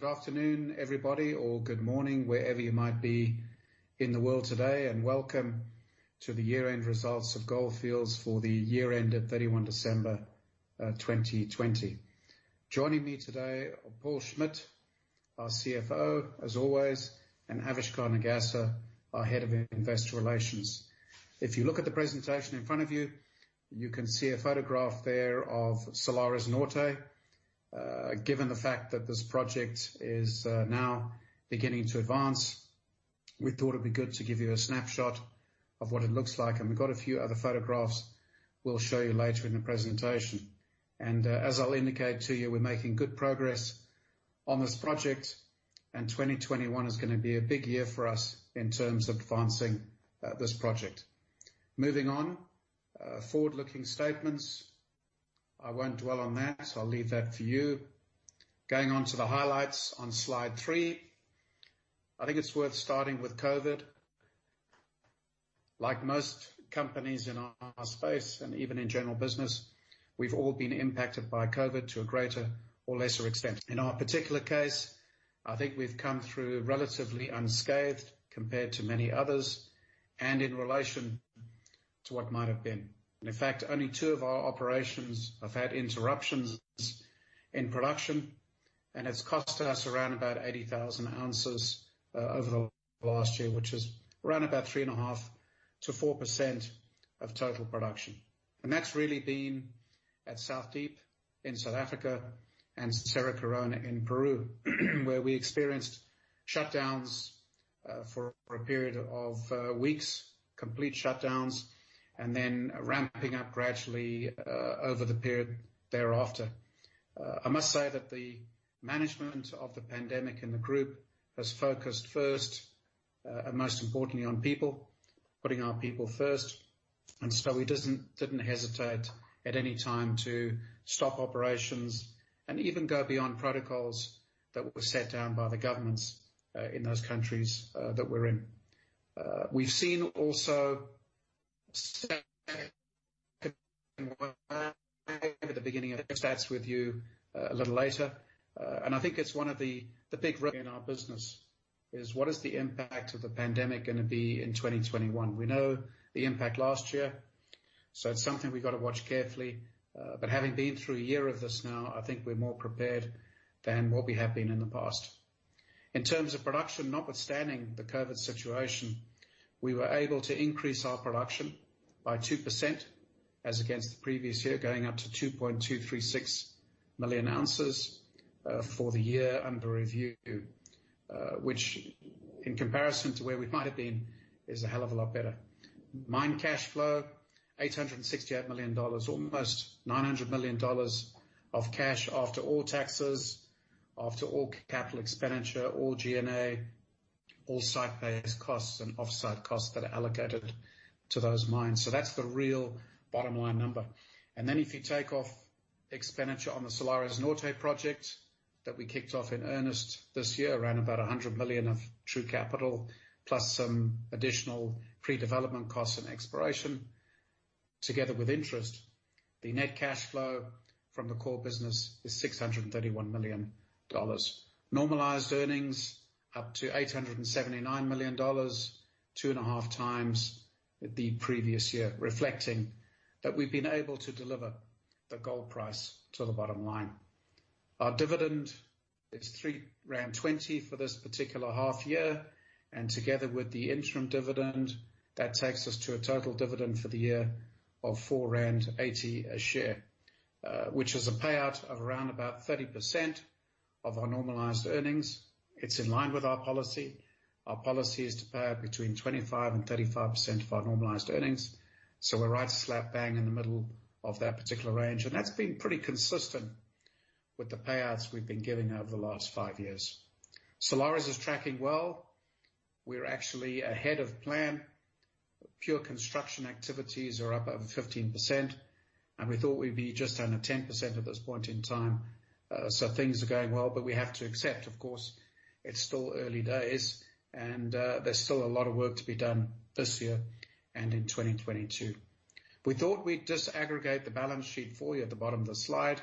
Good afternoon, everybody, or good morning wherever you might be in the world today, and welcome to the year-end results of Gold Fields for the year ended December 31, 2020. Joining me today are Paul Schmidt, our CFO, as always, and Avishkar Nagaser, our Head of Investor Relations. If you look at the presentation in front of you can see a photograph there of Salares Norte. Given the fact that this project is now beginning to advance, we thought it'd be good to give you a snapshot of what it looks like. We've got a few other photographs we'll show you later in the presentation. As I'll indicate to you, we're making good progress on this project, and 2021 is going to be a big year for us in terms of advancing this project. Moving on. Forward-looking statements. I won't dwell on that. I'll leave that for you. Going on to the highlights on slide three. I think it's worth starting with COVID. Like most companies in our space and even in general business, we've all been impacted by COVID to a greater or lesser extent. In our particular case, I think we've come through relatively unscathed compared to many others and in relation to what might have been. In fact, only two of our operations have had interruptions in production, and it's cost us around about 80,000 ounces over the last year, which is around about 3.5%-4% of total production. That's really been at South Deep in South Africa and Cerro Corona in Peru, where we experienced shutdowns for a period of weeks, complete shutdowns, and then ramping up gradually over the period thereafter. I must say that the management of the pandemic in the group has focused first and most importantly on people, putting our people first. We didn't hesitate at any time to stop operations and even go beyond protocols that were set down by the governments in those countries that we're in. We've seen also at the beginning. I'll discuss with you a little later. And I think it's one of the big risks in our business is, what is the impact of the pandemic going to be in 2021? We know the impact last year. It's something we've got to watch carefully. Having been through a year of this now, I think we're more prepared than what we have been in the past. In terms of production, notwithstanding the COVID situation, we were able to increase our production by 2% as against the previous year, going up to 2.236 million ounces for the year under review, which, in comparison to where we might have been, is a hell of a lot better. Mine cash flow, $868 million, almost $900 million of cash after all taxes, after all capital expenditure, all G&A, all site-based costs and offsite costs that are allocated to those mines. That's the real bottom-line number. If you take off expenditure on the Salares Norte project that we kicked off in earnest this year, around about $100 million of true capital plus some additional pre-development costs and exploration, together with interest, the net cash flow from the core business is $631 million. Normalized earnings up to $879 million, 2.5x the previous year, reflecting that we've been able to deliver the gold price to the bottom line. Our dividend is 3.20 rand for this particular half year. Together with the interim dividend, that takes us to a total dividend for the year of 4.80 rand a share, which is a payout of around about 30% of our normalized earnings. It's in line with our policy. Our policy is to pay out between 25% and 35% of our normalized earnings, so we're right slap bang in the middle of that particular range. That's been pretty consistent with the payouts we've been giving over the last five years. Salares is tracking well. We're actually ahead of plan. Pure construction activities are up over 15%. We thought we'd be just under 10% at this point in time. Things are going well, but we have to accept, of course, it's still early days and there's still a lot of work to be done this year and in 2022. We thought we'd disaggregate the balance sheet for you at the bottom of the slide,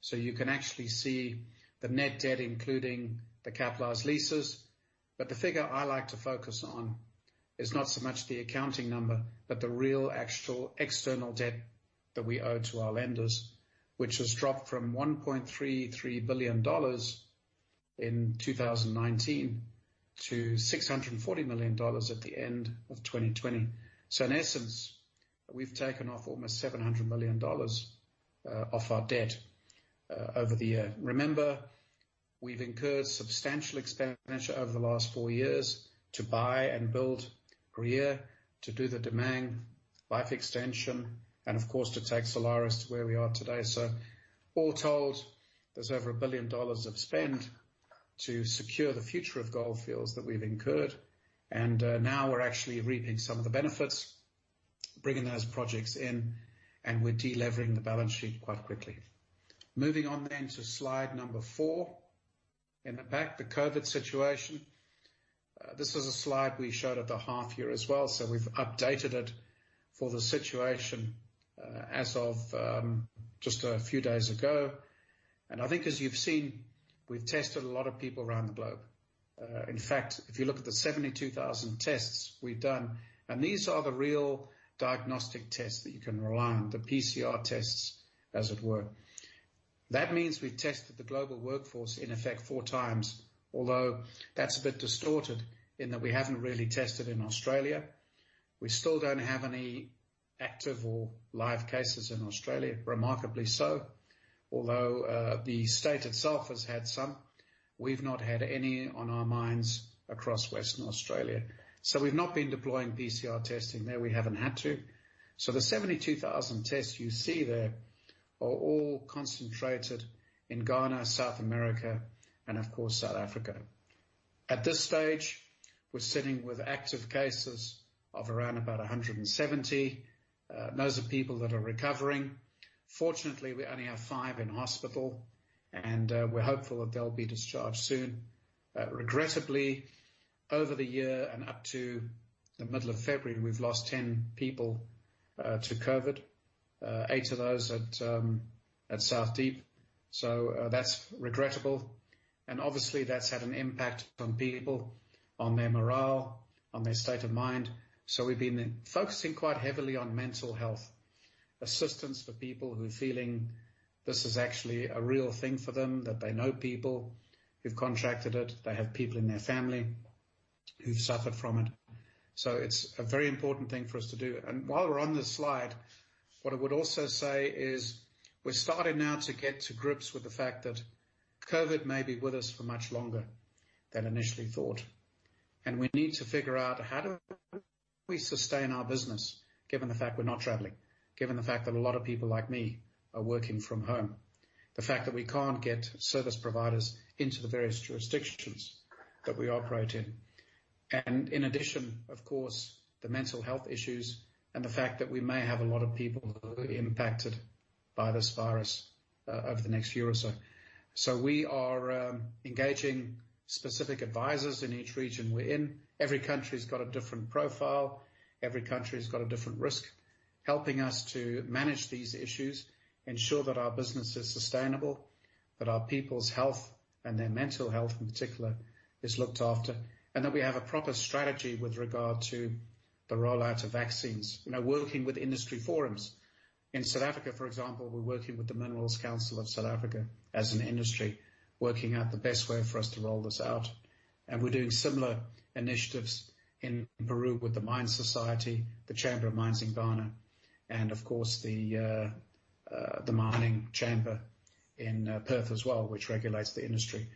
so you can actually see the net debt, including the capitalized leases. The figure I like to focus on is not so much the accounting number, but the real actual external debt that we owe to our lenders, which has dropped from $1.33 billion in 2019 to $640 million at the end of 2020. In essence, we've taken off almost $700 million off our debt over the year. Remember, we've incurred substantial expenditure over the last four years to buy and build Gruyere, to do the Damang life extension, and of course, to take Salares to where we are today. All told, there's over a billion dollars of spend to secure the future of Gold Fields that we've incurred, and now we're actually reaping some of the benefits, bringing those projects in, and we're delevering the balance sheet quite quickly. Moving on to slide number four. In the back, the COVID situation. This was a slide we showed at the half year as well, so we've updated it for the situation as of just a few days ago. And I think as you've seen, we've tested a lot of people around the globe. In fact, if you look at the 72,000 tests we've done, and these are the real diagnostic tests that you can rely on, the PCR tests, as it were. That means we've tested the global workforce in effect four times, although that's a bit distorted in that we haven't really tested in Australia. We still don't have any active or live cases in Australia, remarkably so. Although the state itself has had some. We've not had any on our mines across Western Australia. We've not been deploying PCR testing there, we haven't had to. The 72,000 tests you see there are all concentrated in Ghana, South America and of course South Africa. At this stage, we're sitting with active cases of around about 170. Those are people that are recovering. Fortunately, we only have five in hospital and we're hopeful that they'll be discharged soon. Regrettably, over the year and up to the middle of February, we've lost 10 people to COVID, eight of those at South Deep. That's regrettable and obviously that's had an impact on people, on their morale, on their state of mind. We've been focusing quite heavily on mental health assistance for people who are feeling this is actually a real thing for them, that they know people who've contracted it, they have people in their family who've suffered from it. It's a very important thing for us to do. While we're on this slide, what I would also say is we're starting now to get to grips with the fact that COVID may be with us for much longer than initially thought. And we need to figure out how do we sustain our business given the fact we're not traveling, given the fact that a lot of people like me are working from home. The fact that we can't get service providers into the various jurisdictions that we operate in. In addition, of course, the mental health issues and the fact that we may have a lot of people who are impacted by this virus over the next year or so. We are engaging specific advisors in each region we're in. Every country's got a different profile. Every country's got a different risk. Helping us to manage these issues, ensure that our business is sustainable, that our people's health and their mental health in particular is looked after, and that we have a proper strategy with regard to the rollout of vaccines. Working with industry forums. In South Africa, for example, we're working with the Minerals Council South Africa as an industry, working out the best way for us to roll this out. We're doing similar initiatives in Peru with the Mine Society, the Chamber of Mines in Ghana, and of course the Mining Chamber in Perth as well, which regulates the industry.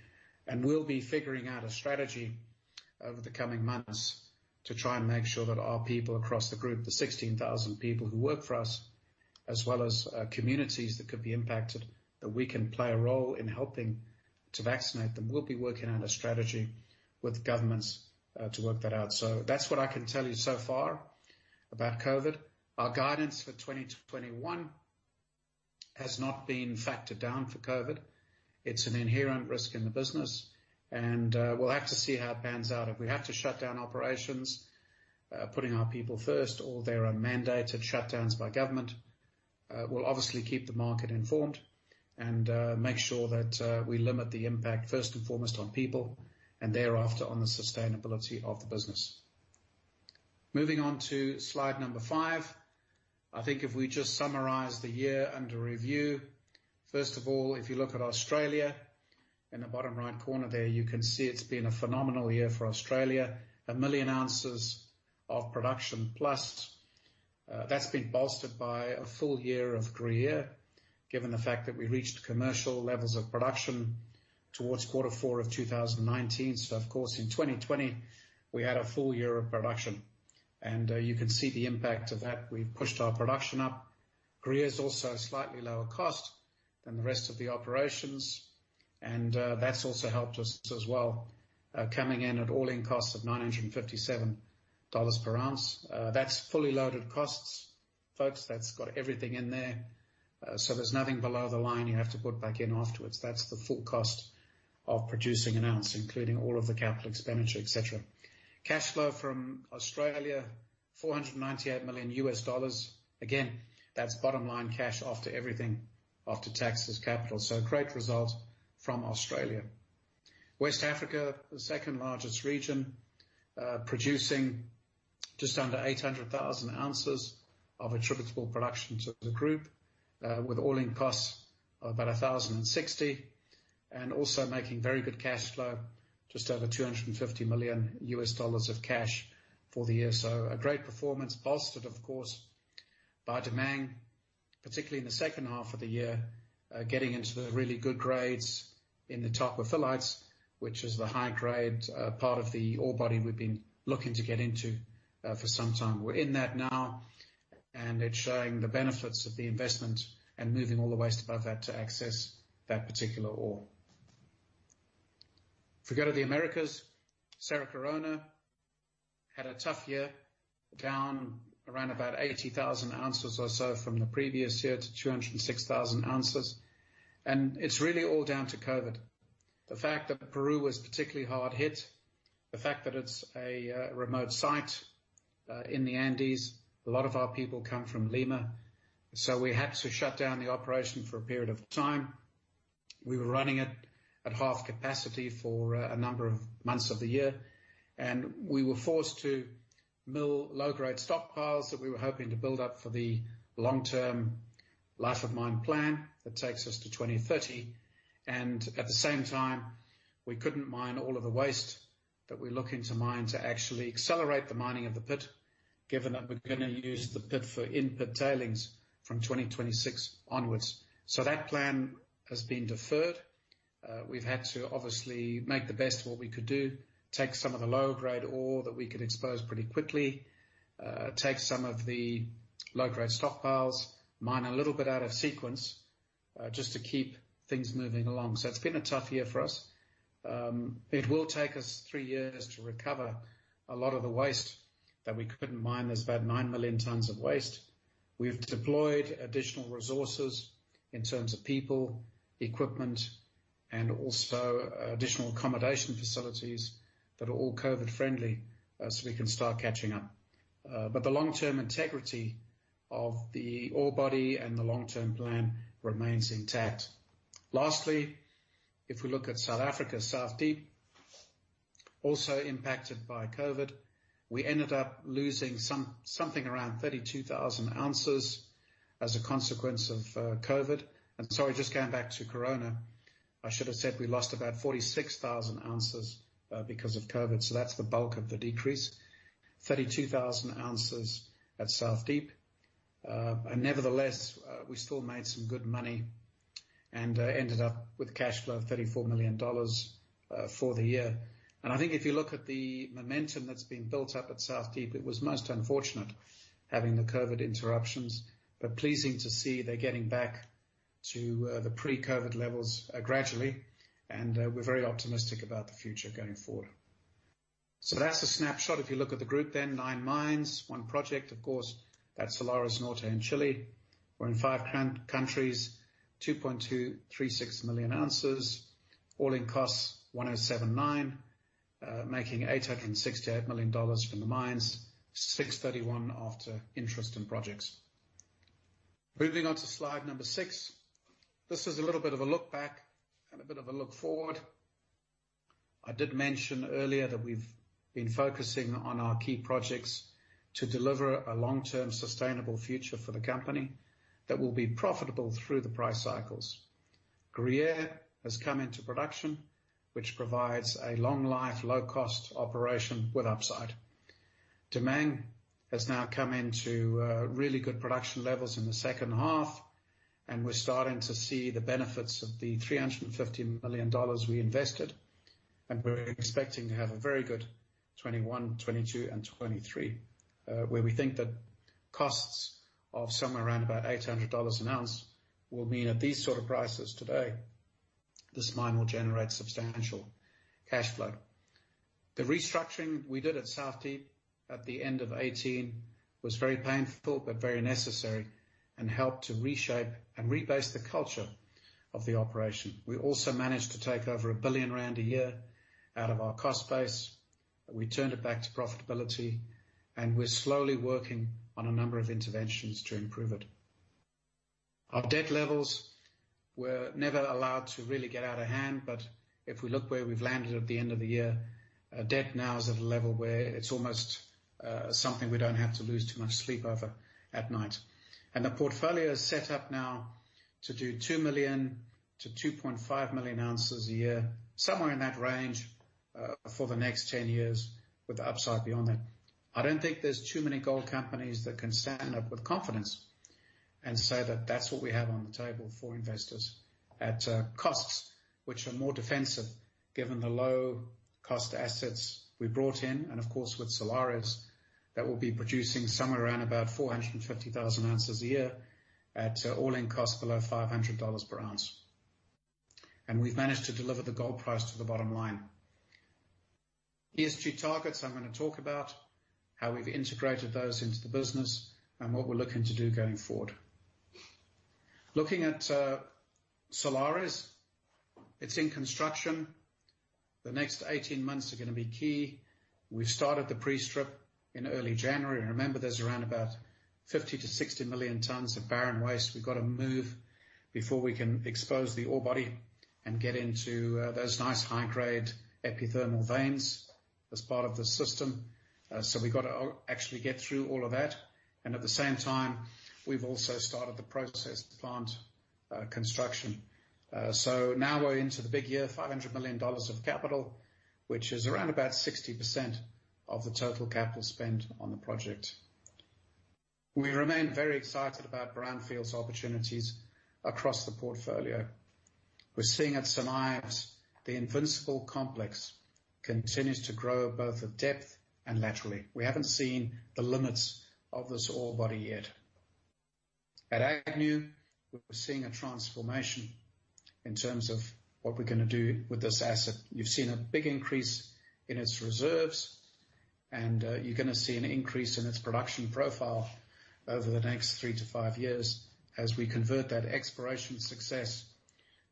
We'll be figuring out a strategy over the coming months to try and make sure that our people across the group, the 16,000 people who work for us, as well as communities that could be impacted, that we can play a role in helping to vaccinate them. We'll be working on a strategy with governments to work that out. That's what I can tell you so far about COVID. Our guidance for 2021 has not been factored down for COVID. It's an inherent risk in the business, and we'll have to see how it pans out. If we have to shut down operations, putting our people first or there are mandated shutdowns by government, we'll obviously keep the market informed and make sure that we limit the impact first and foremost on people, and thereafter on the sustainability of the business. Moving on to slide number five. I think if we just summarize the year under review. First of all, if you look at Australia in the bottom right corner there, you can see it's been a phenomenal year for Australia. A million ounces of production plus. That's been bolstered by a full year of Gruyere, given the fact that we reached commercial levels of production towards quarter four of 2019. Of course, in 2020 we had a full year of production. And you can see the impact of that. We've pushed our production up. Gruyere is also slightly lower cost than the rest of the operations, and that's also helped us as well, coming in at all-in costs of $957 per ounce. That's fully loaded costs, folks. That's got everything in there. There's nothing below the line you have to put back in afterwards. That's the full cost of producing an ounce, including all of the capital expenditure, et cetera. Cash flow from Australia, $498 million. Again, that's bottom line cash after everything, after taxes, capital. A great result from Australia. West Africa, the second-largest region, producing just under 800,000 ounces of attributable production to the group, with all-in costs of about 1,060. Also making very good cash flow, just over $250 million of cash for the year. A great performance bolstered, of course, by Damang, particularly in the second half of the year, getting into the really good grades in the talc phyllites, which is the high grade part of the ore body we've been looking to get into for some time. We're in that now and it's showing the benefits of the investment and moving all the waste above that to access that particular ore. If we go to the Americas, Cerro Corona had a tough year, down around about 80,000 ounces or so from the previous year to 206,000 ounces, and it's really all down to COVID. The fact that Peru was particularly hard hit, the fact that it's a remote site in the Andes. A lot of our people come from Lima, so we had to shut down the operation for a period of time. We were running it at half capacity for a number of months of the year, and we were forced to mill low-grade stockpiles that we were hoping to build up for the long-term life of mine plan that takes us to 2030. At the same time, we couldn't mine all of the waste that we're looking to mine to actually accelerate the mining of the pit, given that we're going to use the pit for in-pit tailings from 2026 onwards. That plan has been deferred. We've had to obviously make the best of what we could do, take some of the lower grade ore that we could expose pretty quickly, take some of the low-grade stockpiles, mine a little bit out of sequence, just to keep things moving along. It's been a tough year for us. It will take us three years to recover a lot of the waste that we couldn't mine. There's about nine million tons of waste. We've deployed additional resources in terms of people, equipment, and also additional accommodation facilities that are all COVID friendly so we can start catching up. The long-term integrity of the ore body and the long-term plan remains intact. Lastly, if we look at South Africa, South Deep, also impacted by COVID. We ended up losing something around 32,000 ounces as a consequence of COVID. Sorry, just going back to Corona, I should have said we lost about 46,000 ounces because of COVID. That's the bulk of the decrease. A 32,000 ounces at South Deep. Nevertheless, we still made some good money and ended up with cash flow of $34 million for the year. And I think if you look at the momentum that's been built up at South Deep, it was most unfortunate having the COVID interruptions, but pleasing to see they're getting back to the pre-COVID levels gradually, and we're very optimistic about the future going forward. That's a snapshot. If you look at the group then, nine mines, one project, of course. That's Salares Norte in Chile. We're in five countries, 2.236 million ounces. All-in costs, $1,079, making $868 million from the mines, $631 after interest and projects. Moving on to slide number six. This is a little bit of a look back and a bit of a look forward. I did mention earlier that we've been focusing on our key projects to deliver a long-term sustainable future for the company that will be profitable through the price cycles. Gruyere has come into production, which provides a long life, low-cost operation with upside. Damang has now come into really good production levels in the second half. We're starting to see the benefits of the $350 million we invested. We're expecting to have a very good 2021, 2022, and 2023, where we think that costs of somewhere around about $800 an ounce will mean at these sort of prices today, this mine will generate substantial cash flow. The restructuring we did at South Deep at the end of 2018 was very painful but very necessary and helped to reshape and rebase the culture of the operation. We also managed to take over a billion rand a year out of our cost base. We turned it back to profitability. And we're slowly working on a number of interventions to improve it. Our debt levels were never allowed to really get out of hand, but if we look where we've landed at the end of the year, our debt now is at a level where it's almost something we don't have to lose too much sleep over at night. The portfolio is set up now to do 2 million-2.5 million ounces a year, somewhere in that range for the next 10 years with the upside beyond that. I don't think there's too many gold companies that can stand up with confidence and say that that's what we have on the table for investors at costs which are more defensive given the low cost assets we brought in, and of course, with Salares, that will be producing somewhere around about 450,000 ounces a year at all-in costs below $500 per ounce. We've managed to deliver the gold price to the bottom line. ESG targets, I'm going to talk about how we've integrated those into the business and what we're looking to do going forward. Looking at Salares, it's in construction. The next 18 months are going to be key. We started the pre-strip in early January. Remember, there's around about 50 million-60 million tons of barren waste we've got to move before we can expose the ore body and get into those nice high-grade epithermal veins as part of the system. We've got to actually get through all of that, and at the same time, we've also started the process plant construction. Now we're into the big year, $500 million of capital, which is around about 60% of the total capital spent on the project. We remain very excited about brownfields opportunities across the portfolio. We're seeing at St Ives the Invincible Complex continues to grow both at depth and laterally. We haven't seen the limits of this ore body yet. At Agnew, we're seeing a transformation in terms of what we're going to do with this asset. You've seen a big increase in its reserves, you're going to see an increase in its production profile over the next three to five years as we convert that exploration success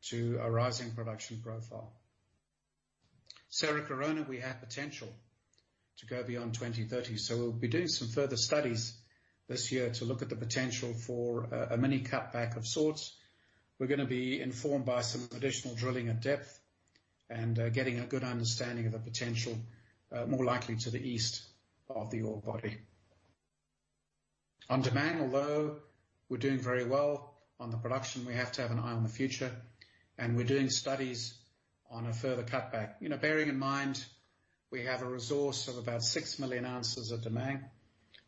to a rising production profile. Cerro Corona, we have potential to go beyond 2030. We'll be doing some further studies this year to look at the potential for a mini cutback of sorts. We're going to be informed by some additional drilling at depth and getting a good understanding of the potential, more likely to the east of the ore body. On Damang, although we're doing very well on the production, we have to have an eye on the future, and we're doing studies on a further cutback. Bearing in mind we have a resource of about 6 million ounces at Damang.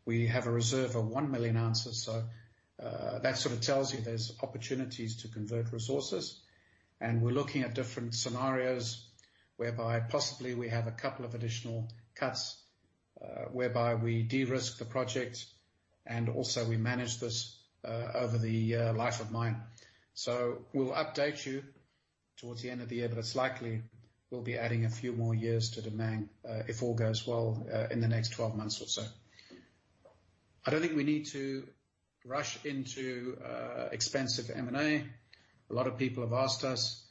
We have a reserve of 1 million ounces. That sort of tells you there's opportunities to convert resources, and we're looking at different scenarios whereby possibly we have a couple of additional cuts, whereby we de-risk the project and also we manage this over the life of mine. We'll update you towards the end of the year, but it's likely we'll be adding a few more years to Damang, if all goes well, in the next 12 months or so. I don't think we need to rush into expensive M&A. A lot of people have asked us.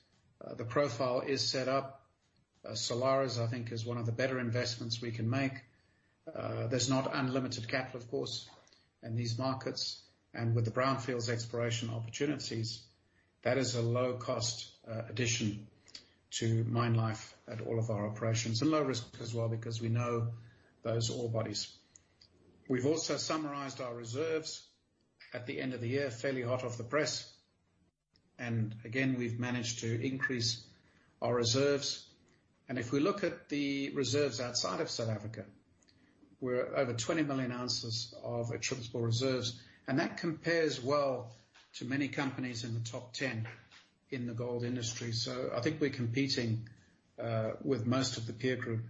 The profile is set up. Salares, I think, is one of the better investments we can make. There's not unlimited capital, of course, in these markets, and with the brownfields exploration opportunities, that is a low-cost addition to mine life at all of our operations. Low risk as well because we know those ore bodies. We've also summarized our reserves at the end of the year, fairly hot off the press. Again, we've managed to increase our reserves. If we look at the reserves outside of South Africa, we're over 20 million ounces of attributable reserves, and that compares well to many companies in the top 10 in the gold industry. I think we're competing with most of the peer group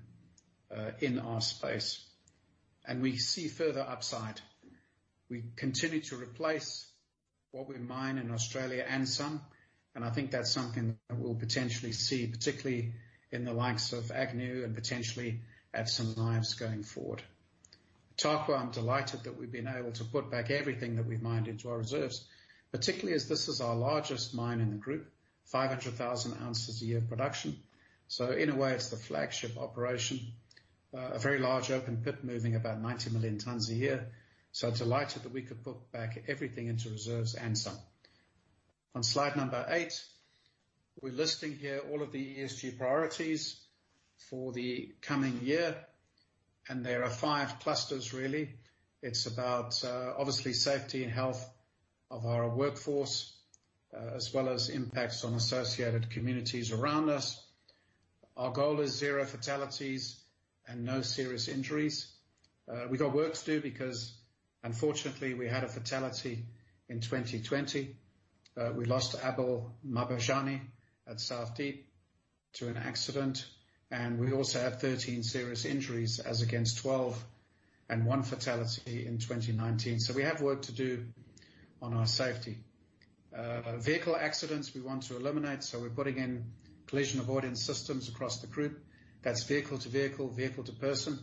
in our space. We see further upside. We continue to replace what we mine in Australia and some, I think that's something that we'll potentially see, particularly in the likes of Agnew and potentially at St Ives going forward. Tarkwa, I'm delighted that we've been able to put back everything that we've mined into our reserves, particularly as this is our largest mine in the group, 500,000 ounces a year production. In a way, it's the flagship operation. A very large open pit moving about 90 million tons a year. Delighted that we could put back everything into reserves and some. On slide number eight, we're listing here all of the ESG priorities for the coming year, there are five clusters really. It's about, obviously, safety and health of our workforce, as well as impacts on associated communities around us. Our goal is zero fatalities and no serious injuries. We got work to do because unfortunately, we had a fatality in 2020. We lost Abel Magajane at South Deep to an accident, and we also had 13 serious injuries, as against 12 and one fatality in 2019. We have work to do on our safety. Vehicle accidents we want to eliminate, we're putting in collision avoidance systems across the group. That's vehicle to vehicle to person,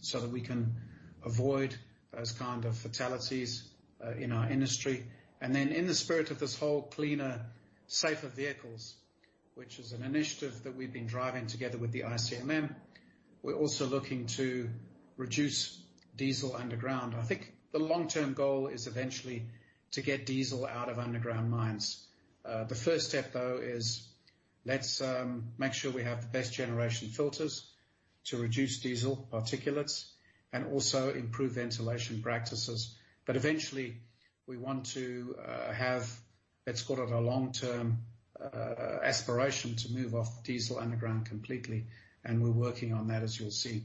so that we can avoid those kind of fatalities in our industry. In the spirit of this whole cleaner, safer vehicles, which is an initiative that we've been driving together with the ICMM, we're also looking to reduce diesel underground. I think the long-term goal is eventually to get diesel out of underground mines. The first step, though, is let's make sure we have the best generation filters to reduce diesel particulates and also improve ventilation practices. Eventually, we want to have, let's call it a long-term aspiration to move off diesel underground completely, and we're working on that, as you'll see.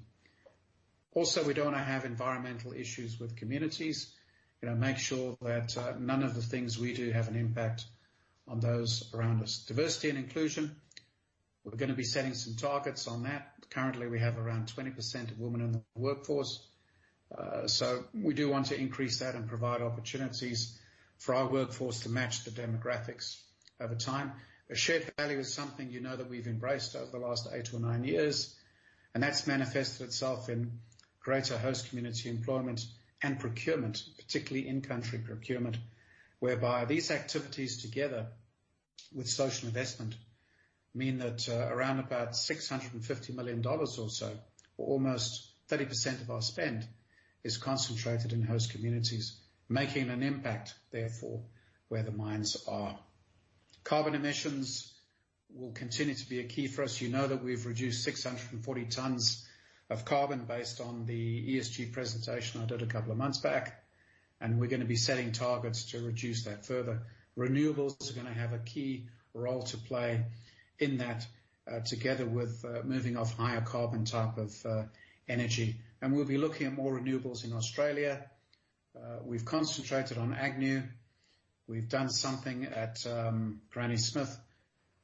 Also, we don't want to have environmental issues with communities. Make sure that none of the things we do have an impact on those around us. Diversity and inclusion, we're going to be setting some targets on that. Currently, we have around 20% of women in the workforce. We do want to increase that and provide opportunities for our workforce to match the demographics over time. Shared value is something you know that we've embraced over the last eight or nine years, that's manifested itself in greater host community employment and procurement, particularly in-country procurement, whereby these activities together with social investment mean that around about $650 million or so, or almost 30% of our spend, is concentrated in host communities, making an impact, therefore, where the mines are. Carbon emissions will continue to be a key for us. You know that we've reduced 640 tons of carbon based on the ESG presentation I did a couple of months back, and we're going to be setting targets to reduce that further. Renewables are going to have a key role to play in that, together with moving off higher carbon type of energy. We'll be looking at more renewables in Australia. We've concentrated on Agnew. We've done something at Granny Smith.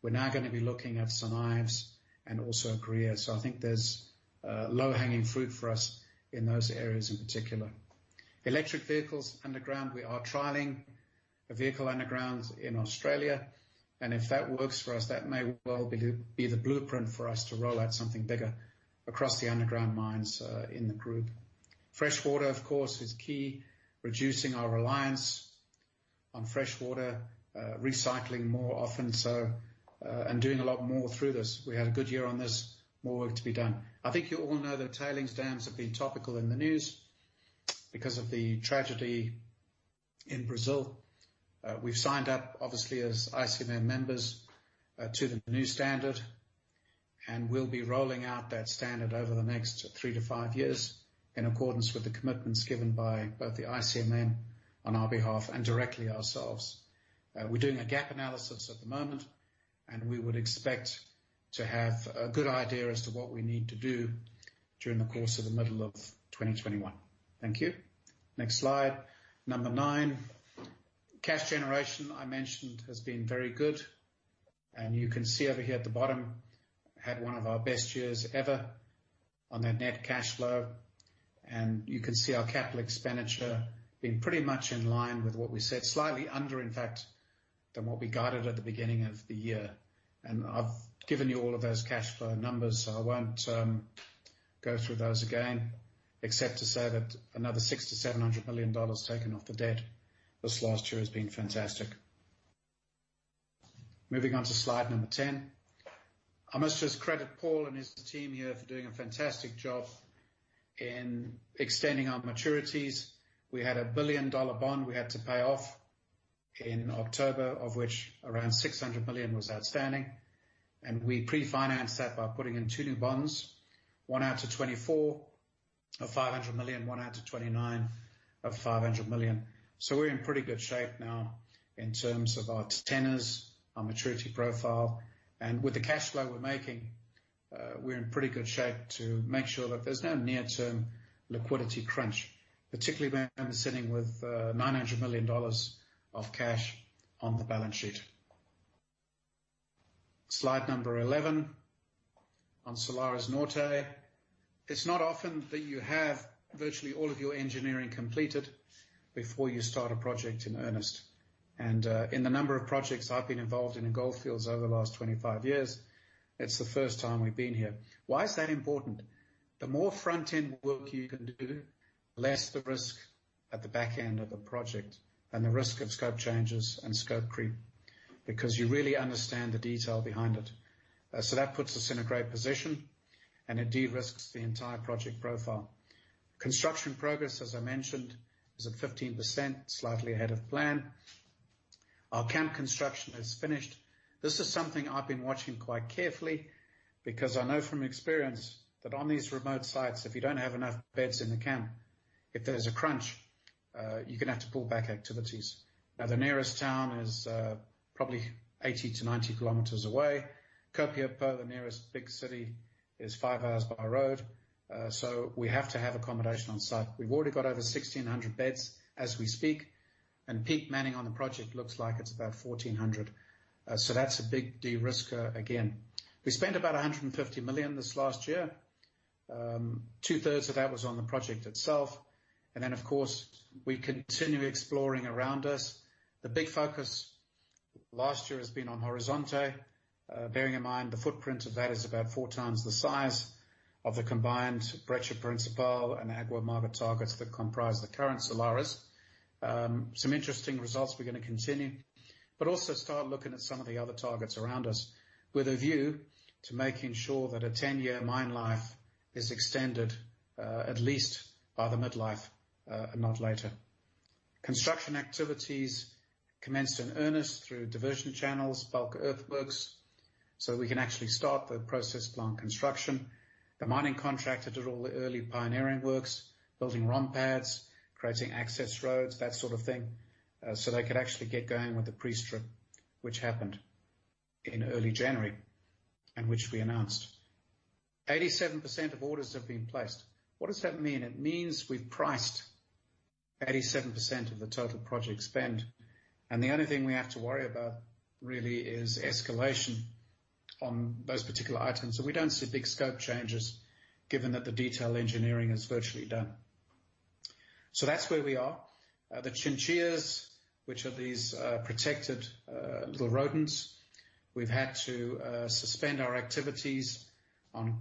We're now going to be looking at St Ives and also Gruyere. I think there's low-hanging fruit for us in those areas in particular. Electric vehicles underground. We are trialing a vehicle underground in Australia, and if that works for us, that may well be the blueprint for us to roll out something bigger across the underground mines in the group. Fresh water, of course, is key. Reducing our reliance on fresh water, recycling more often so and doing a lot more through this. We had a good year on this. More work to be done. I think you all know that tailings dams have been topical in the news because of the tragedy in Brazil. We've signed up, obviously, as ICMM members, to the new standard, and we'll be rolling out that standard over the next three to five years in accordance with the commitments given by both the ICMM on our behalf and directly ourselves. We're doing a gap analysis at the moment, we would expect to have a good idea as to what we need to do during the course of the middle of 2021. Thank you. Next slide, number nine. Cash generation, I mentioned, has been very good, you can see over here at the bottom, had one of our best years ever on that net cash flow. You can see our capital expenditure being pretty much in line with what we said, slightly under, in fact, than what we guided at the beginning of the year. I've given you all of those cash flow numbers, so I won't go through those again except to say that another $600 million-$700 million taken off the debt this last year has been fantastic. Moving on to slide number 10. I must just credit Paul and his team here for doing a fantastic job in extending our maturities. We had a billion-dollar bond we had to pay off in October, of which around $600 million was outstanding, and we pre-financed that by putting in two new bonds, one out to 2024 of $500 million, one out to 2029 of $500 million. We're in pretty good shape now in terms of our tenors, our maturity profile. With the cash flow we're making, we're in pretty good shape to make sure that there's no near-term liquidity crunch, particularly when we're sitting with $900 million of cash on the balance sheet. Slide number 11 on Salares Norte. It's not often that you have virtually all of your engineering completed before you start a project in earnest. In the number of projects I've been involved in in Gold Fields over the last 25 years, it's the first time we've been here. Why is that important? The more front-end work you can do, the less the risk at the back end of the project and the risk of scope changes and scope creep, because you really understand the detail behind it. That puts us in a great position and it de-risks the entire project profile. Construction progress, as I mentioned, is at 15%, slightly ahead of plan. Our camp construction is finished. This is something I've been watching quite carefully because I know from experience that on these remote sites, if you don't have enough beds in the camp, if there's a crunch, you're going to have to pull back activities. The nearest town is probably 80-90 km away. Copiapó, the nearest big city, is five hours by road. We have to have accommodation on-site. We've already got over 1,600 beds as we speak, and peak manning on the project looks like it's about 1,400. That's a big de-risker again. We spent about $150 million this last year. A 2/3 of that was on the project itself, and then, of course, we continue exploring around us. The big focus last year has been on Horizonte. Bearing in mind the footprint of that is about four times the size of the combined Breccia Principal and Agua Amarga targets that comprise the current Salares Some interesting results we're going to continue, also start looking at some of the other targets around us with a view to making sure that a 10-year mine life is extended, at least by the midlife, and not later. Construction activities commenced in earnest through diversion channels, bulk earthworks, we can actually start the process plant construction. The mining contractor did all the early pioneering works, building ramparts, creating access roads, that sort of thing, they could actually get going with the pre-strip, which happened in early January, which we announced. A 87% of orders have been placed. What does that mean? It means we've priced 87% of the total project spend. The only thing we have to worry about really is escalation on those particular items. We don't see big scope changes given that the detail engineering is virtually done. That's where we are. The chinchillas, which are these protected little rodents, we've had to suspend our activities on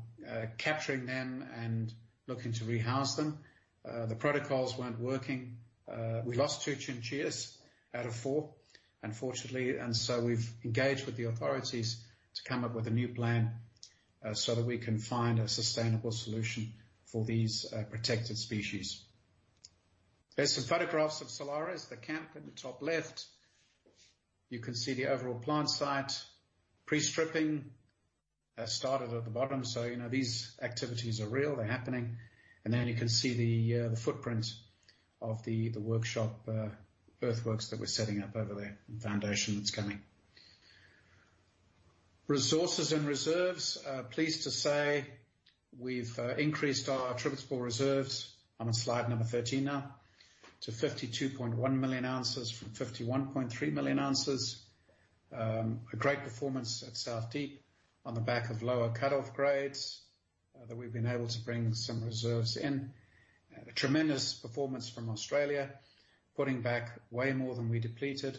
capturing them and looking to rehouse them. The protocols weren't working. We lost two chinchillas out of four, unfortunately. We've engaged with the authorities to come up with a new plan, so that we can find a sustainable solution for these protected species. There's some photographs of Salares, the camp at the top left. You can see the overall plant site. Pre-stripping has started at the bottom. These activities are real. They're happening. You can see the footprint of the workshop, earthworks that we're setting up over there and foundation that's coming. Resources and reserves. Pleased to say, we've increased our attributable reserves on slide number 13 now to 52.1 million ounces from 51.3 million ounces. A great performance at South Deep on the back of lower cutoff grades that we've been able to bring some reserves in. A tremendous performance from Australia, putting back way more than we depleted.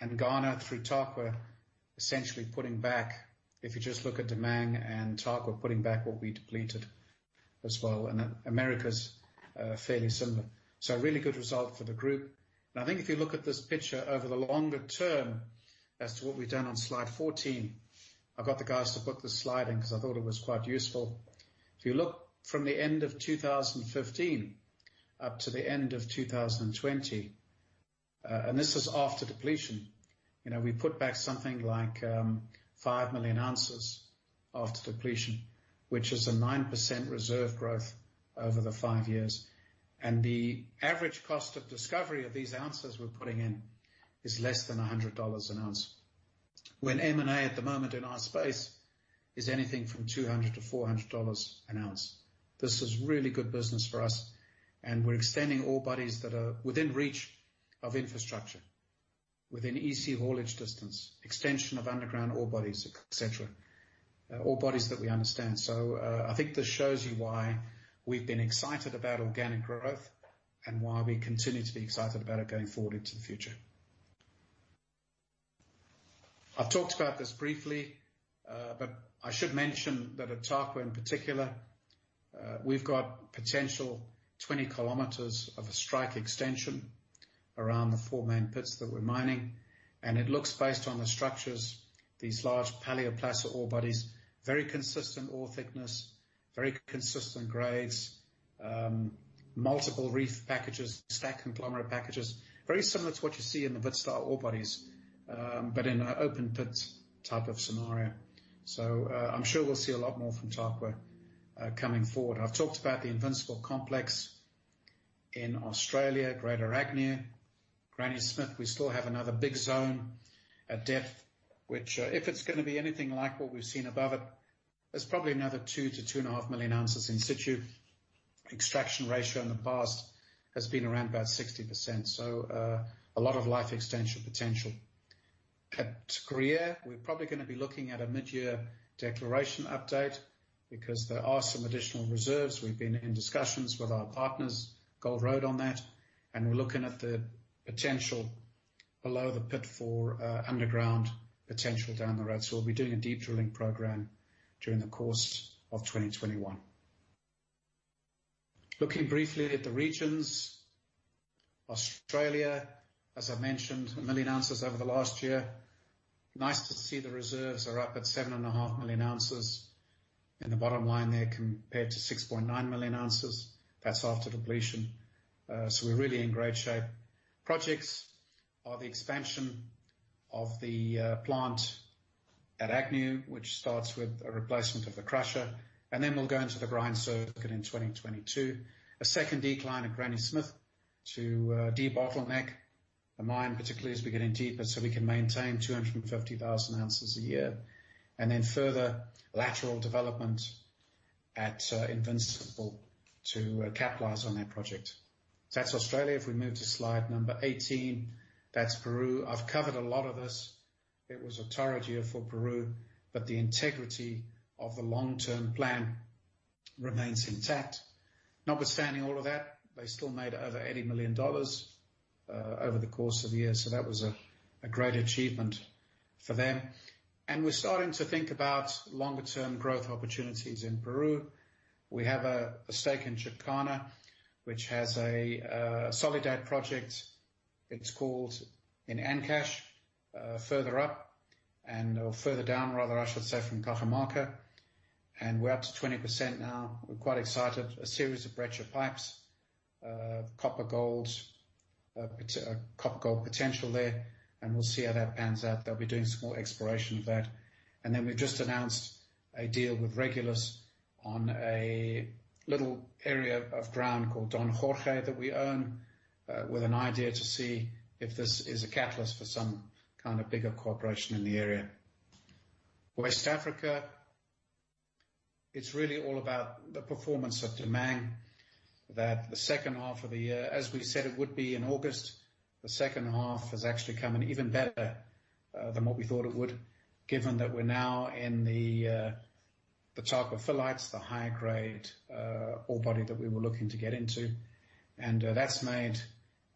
Ghana through Tarkwa, essentially putting back, if you just look at Damang and Tarkwa, putting back what we depleted as well. America's fairly similar. A really good result for the group. I think if you look at this picture over the longer term as to what we've done on slide 14, I got the guys to put this slide in because I thought it was quite useful. If you look from the end of 2015 up to the end of 2020, and this is after depletion, we put back something like 5 million ounces after depletion, which is a 9% reserve growth over the five years. The average cost of discovery of these ounces we're putting in is less than $100 an ounce. When M&A at the moment in our space is anything from $200-$400 an ounce. This is really good business for us, and we're extending ore bodies that are within reach of infrastructure, within easy haulage distance, extension of underground ore bodies, et cetera, ore bodies that we understand. I think this shows you why we've been excited about organic growth and why we continue to be excited about it going forward into the future. I've talked about this briefly, but I should mention that at Tarkwa in particular, we've got potential 20 km of a strike extension around the four main pits that we're mining. It looks based on the structures, these large paleoplacer ore bodies, very consistent ore thickness, very consistent grades, multiple reef packages, stack and conglomerate packages, very similar to what you see in the Wit-style ore bodies, but in an open pit type of scenario. I'm sure we'll see a lot more from Tarkwa coming forward. I've talked about the Invincible complex in Australia, Greater Agnew, Granny Smith. We still have another big zone at depth, which if it's going to be anything like what we've seen above it, there's probably another 2 million-2.5 million ounces in-situ. Extraction ratio in the past has been around about 60%. A lot of life extension potential. At Gruyere, we're probably going to be looking at a mid-year declaration update because there are some additional reserves. We've been in discussions with our partners, Gold Road on that, and we're looking at the potential below the pit for underground potential down the road. We'll be doing a deep drilling program during the course of 2021. Looking briefly at the regions. Australia, as I mentioned, a million ounces over the last year. Nice to see the reserves are up at 7.5 million ounces in the bottom line there compared to 6.9 million ounces. That's after depletion. We're really in great shape. Projects are the expansion of the plant at Agnew, which starts with a replacement of the crusher. Then we'll go into the grind circuit in 2022. A second decline at Granny Smith to de-bottleneck the mine, particularly as we're getting deeper, so we can maintain 250,000 ounces a year. Further lateral development at Invincible to capitalize on that project. That's Australia. If we move to slide number 18, that's Peru. I've covered a lot of this. It was a tough year for Peru, but the integrity of the long-term plan remains intact. Notwithstanding all of that, they still made over $80 million over the course of the year. That was a great achievement for them. We're starting to think about longer term growth opportunities in Peru. We have a stake in Chakana, which has a Soledad project. It's called in Ancash, further up or further down rather I should say, from Cajamarca, and we're up to 20% now. We're quite excited. A series of breccia pipes, copper gold potential there. We'll see how that pans out. They'll be doing some more exploration of that. We've just announced a deal with Regulus on a little area of ground called Don Jorge that we own, with an idea to see if this is a catalyst for some kind of bigger cooperation in the area. West Africa, it's really all about the performance of Damang that the second half of the year, as we said it would be in August, the second half has actually come in even better than what we thought it would, given that we're now in the talc phyllites, the higher grade ore body that we were looking to get into. That's made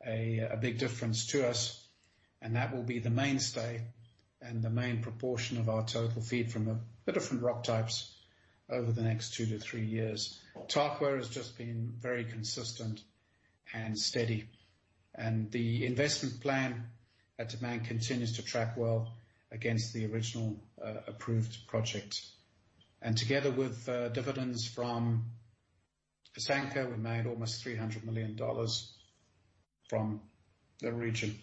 a big difference to us, and that will be the mainstay and the main proportion of our total feed from the different rock types over the next two to three years. Tarkwa has just been very consistent and steady. The investment plan at Damang continues to track well against the original approved project. Together with dividends from Asanko Gold, we made almost $300 million from the region.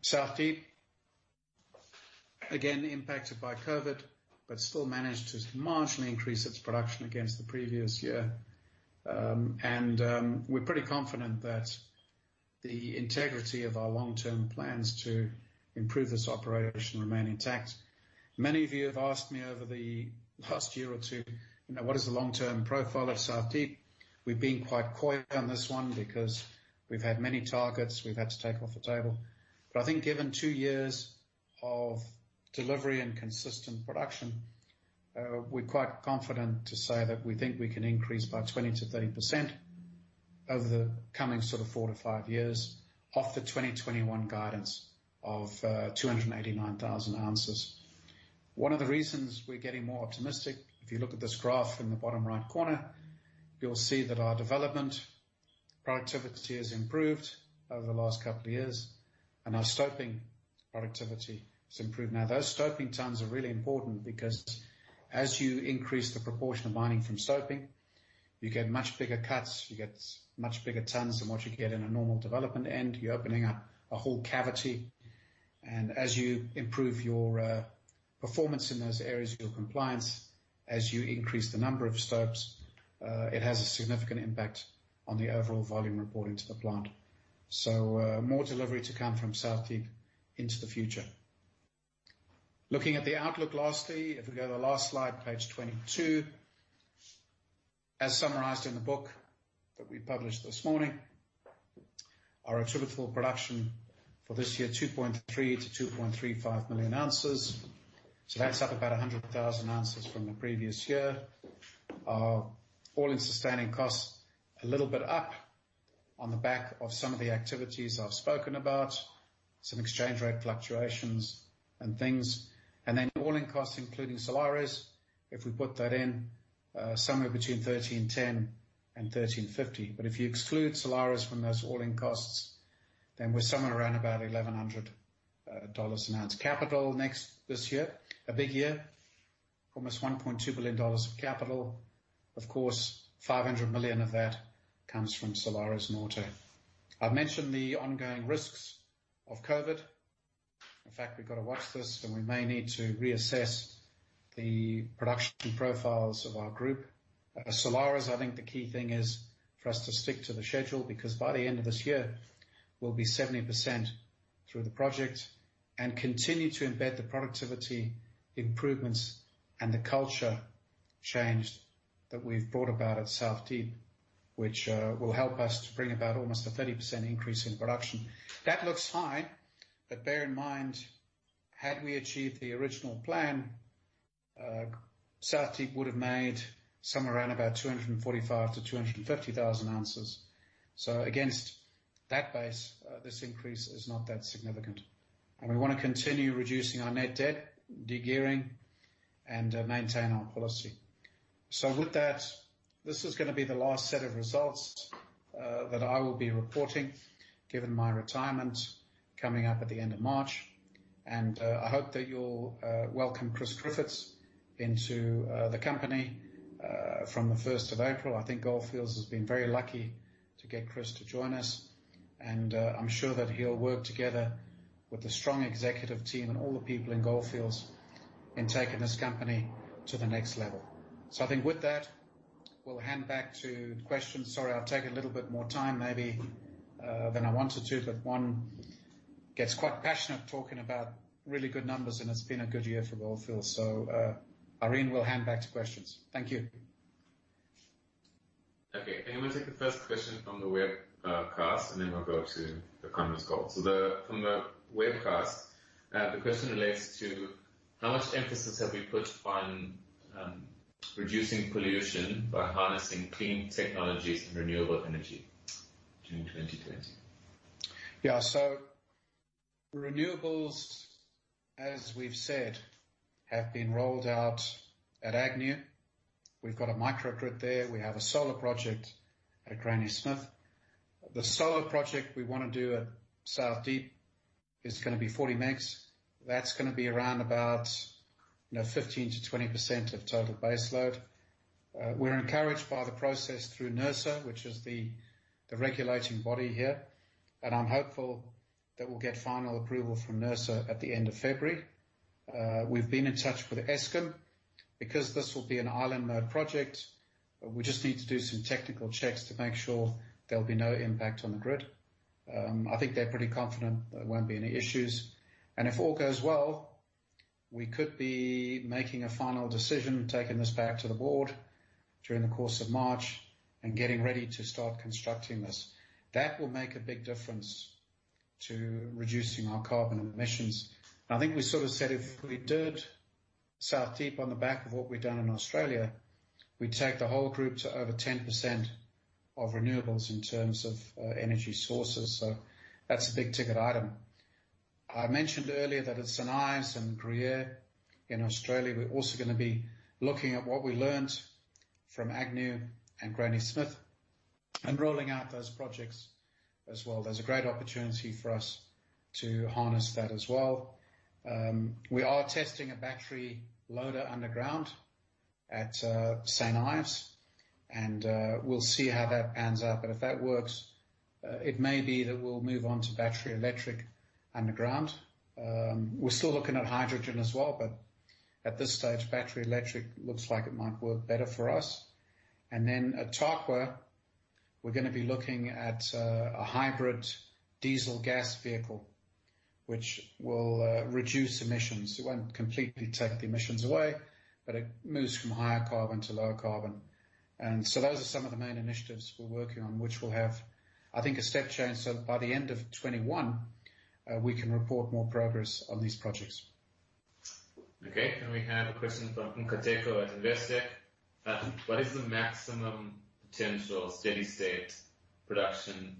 South Deep, again, impacted by COVID, but still managed to marginally increase its production against the previous year. We're pretty confident that the integrity of our long-term plans to improve this operation remain intact. Many of you have asked me over the last year or two, what is the long-term profile of South Deep? We've been quite coy on this one because we've had many targets we've had to take off the table. I think given two years of delivery and consistent production, we're quite confident to say that we think we can increase by 20%-30% over the coming four to five years off the 2021 guidance of 289,000 ounces. One of the reasons we're getting more optimistic, if you look at this graph in the bottom right corner, you'll see that our development productivity has improved over the last couple of years, and our stoping productivity has improved. Those stoping tons are really important because as you increase the proportion of mining from stoping, you get much bigger cuts, you get much bigger tons than what you get in a normal development, and you're opening up a whole cavity. As you improve your performance in those areas, your compliance, as you increase the number of stopes, it has a significant impact on the overall volume reporting to the plant. More delivery to come from South Deep into the future. Looking at the outlook lastly, if we go to the last slide, page 22. As summarized in the book that we published this morning, our attributable production for this year, 2.3 million-2.35 million ounces. That's up about 100,000 ounces from the previous year. Our all-in sustaining costs a little bit up on the back of some of the activities I've spoken about, some exchange rate fluctuations and things. All-in costs, including Salares, if we put that in, somewhere between $1,310 and $1,350. If you exclude Salares from those all-in costs, then we're somewhere around about $1,100 an ounce. Capital next, this year, a big year, almost $1.2 billion of capital. Of course, $500 million of that comes from Salares Norte. I've mentioned the ongoing risks of COVID. In fact, we've got to watch this, and we may need to reassess the production profiles of our group. At Salares, I think the key thing is for us to stick to the schedule because by the end of this year, we'll be 70% through the project and continue to embed the productivity improvements and the culture change that we've brought about at South Deep, which will help us to bring about almost a 30% increase in production. That looks high, but bear in mind, had we achieved the original plan, South Deep would have made somewhere around about 245,000-250,000 ounces. Against that base, this increase is not that significant. We want to continue reducing our net debt, de-gearing, and maintain our policy. With that, this is going to be the last set of results that I will be reporting, given my retirement coming up at the end of March. I hope that you'll welcome Chris Griffith into the company from the 1st of April. I think Gold Fields has been very lucky to get Chris to join us, and I'm sure that he'll work together with the strong executive team and all the people in Gold Fields in taking this company to the next level. I think with that, we'll hand back to questions. Sorry, I've taken a little bit more time maybe than I wanted to, but one gets quite passionate talking about really good numbers, and it's been a good year for Gold Fields. [Avishkar] will hand back to questions. Thank you. Okay. I'm going to take the first question from the webcast, and then we'll go to the conference call. From the webcast, the question relates to: How much emphasis have we put on reducing pollution by harnessing clean technologies and renewable energy during 2020? Renewables, as we've said, have been rolled out at Agnew. We've got a microgrid there. We have a solar project at Granny Smith. The solar project we want to do at South Deep is going to be 40 MW. That's going to be around about 15%-20% of total base load. We're encouraged by the process through NERSA, which is the regulating body here, and I'm hopeful that we'll get final approval from NERSA at the end of February. We've been in touch with Eskom because this will be an island mode project. We just need to do some technical checks to make sure there'll be no impact on the grid. I think they're pretty confident there won't be any issues. If all goes well, we could be making a final decision, taking this back to the board during the course of March and getting ready to start constructing this. That will make a big difference to reducing our carbon emissions. I think we sort of said if we did South Deep on the back of what we've done in Australia, we take the whole group to over 10% of renewables in terms of energy sources. That's a big-ticket item. I mentioned earlier that at St Ives and Gruyere in Australia, we're also going to be looking at what we learned from Agnew and Granny Smith and rolling out those projects as well. There's a great opportunity for us to harness that as well. We are testing a battery loader underground at St Ives, and we'll see how that pans out. If that works, it may be that we'll move on to battery electric underground. We're still looking at hydrogen as well, but at this stage, battery electric looks like it might work better for us. Then at Tarkwa, we're going to be looking at a hybrid diesel-gas vehicle, which will reduce emissions. It won't completely take the emissions away, but it moves from higher carbon to lower carbon. So those are some of the main initiatives we're working on, which will have, I think, a step change. By the end of 2021, we can report more progress on these projects. Okay. We have a question from Nkateko at Investec: What is the maximum potential steady state production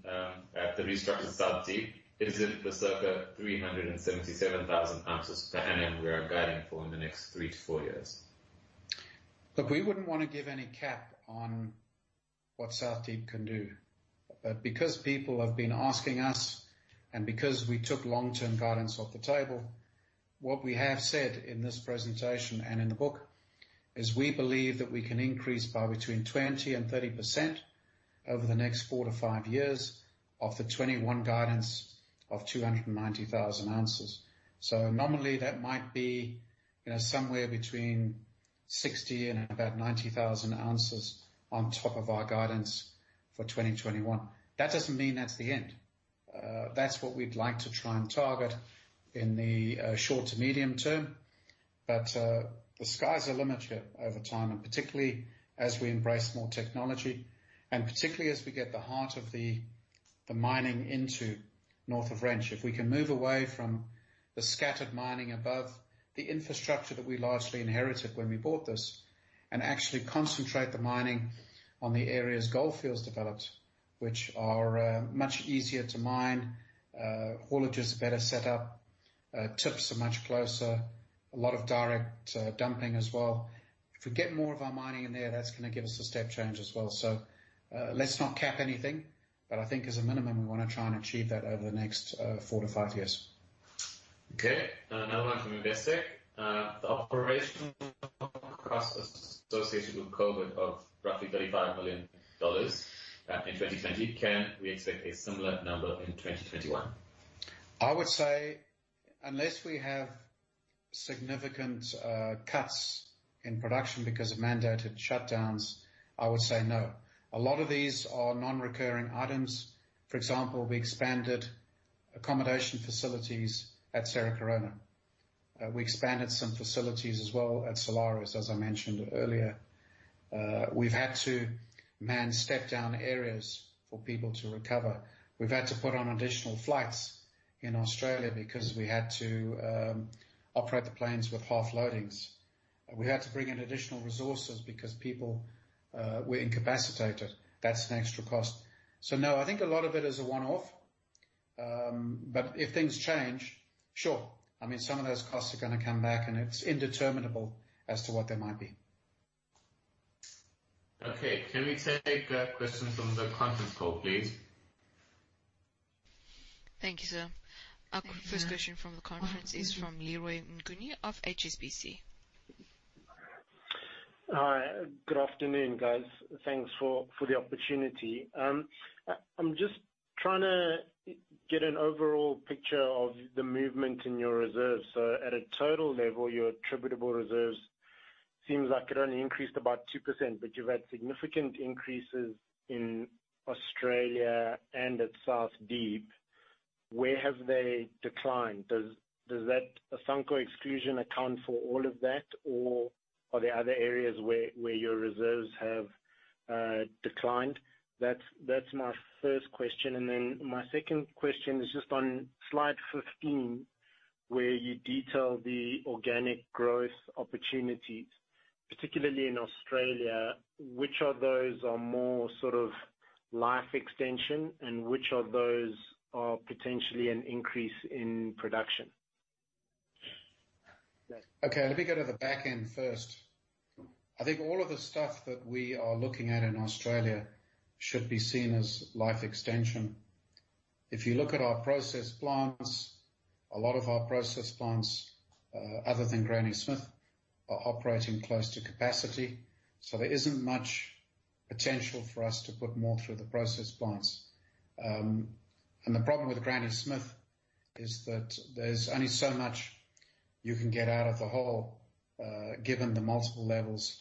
at the restructured South Deep? Is it the circa 377,000 ounces per annum we are guiding for in the next three to four years? Okay. We wouldn't want to give any cap on what South Deep can do. Because people have been asking us and because we took long-term guidance off the table, what we have said in this presentation and in the book is we believe that we can increase by between 20% and 30% over the next four to five years of the 2021 guidance of 290,000 ounces. So normally, that might be somewhere between 60,000 and about 90,000 ounces on top of our guidance for 2021. That doesn't mean that's the end. That's what we'd like to try and target in the short to medium term. The sky's the limit here over time, and particularly as we embrace more technology, and particularly as we get the heart of the mining into North of Wrench. If we can move away from the scattered mining above the infrastructure that we largely inherited when we bought this, and actually concentrate the mining on the areas Gold Fields developed, which are much easier to mine, haulage is better set up, tips are much closer, a lot of direct dumping as well. If we get more of our mining in there, that is going to give us a step change as well. Let's not cap anything. I think as a minimum, we want to try and achieve that over the next four to five years. Okay. Another one from Investec: The operational cost associated with COVID of roughly $35 million in 2020. Can we expect a similar number in 2021? I would say unless we have significant cuts in production because of mandated shutdowns, I would say no. A lot of these are non-recurring items. For example, we expanded accommodation facilities at Cerro Corona. We expanded some facilities as well at Salares, as I mentioned earlier. We've had to man step-down areas for people to recover. We've had to put on additional flights in Australia because we had to operate the planes with half loadings. We had to bring in additional resources because people were incapacitated. That's an extra cost. No, I think a lot of it is a one-off. If things change, sure. I mean, some of those costs are going to come back, and it's indeterminable as to what they might be. Okay. Can we take a question from the conference call, please? Thank you, sir. Our first question from the conference is from Leroy Mnguni of HSBC. Hi. Good afternoon, guys. Thanks for the opportunity. I'm just trying to get an overall picture of the movement in your reserves. At a total level, your attributable reserves seems like it only increased about 2%, but you've had significant increases in Australia and at South Deep. Where have they declined? Does that Asanko exclusion account for all of that, or are there other areas where your reserves have declined? That's my first question, my second question is just on slide 15, where you detail the organic growth opportunities, particularly in Australia. Which of those are more life extension and which of those are potentially an increase in production? Okay, let me go to the back end first. I think all of the stuff that we are looking at in Australia should be seen as life extension. If you look at our process plants, a lot of our process plants, other than Granny Smith, are operating close to capacity. There isn't much potential for us to put more through the process plants. The problem with Granny Smith is that there's only so much you can get out of the hole, given the multiple levels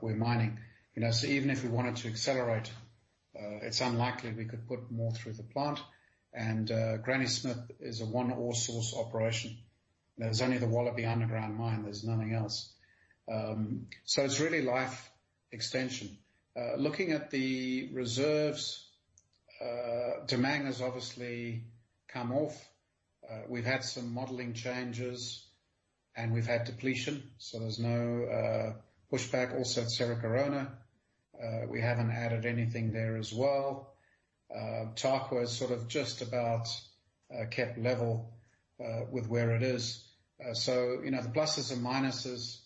we're mining. Even if we wanted to accelerate, it's unlikely we could put more through the plant. Granny Smith is a one ore source operation. There's only the Wallaby underground mine. There's nothing else. It's really life extension. Looking at the reserves, Damang has obviously come off. We've had some modeling changes and we've had depletion, there's no pushback. Also at Cerro Corona, we haven't added anything there as well. Tarkwa is sort of just about kept level, with where it is. The pluses and minuses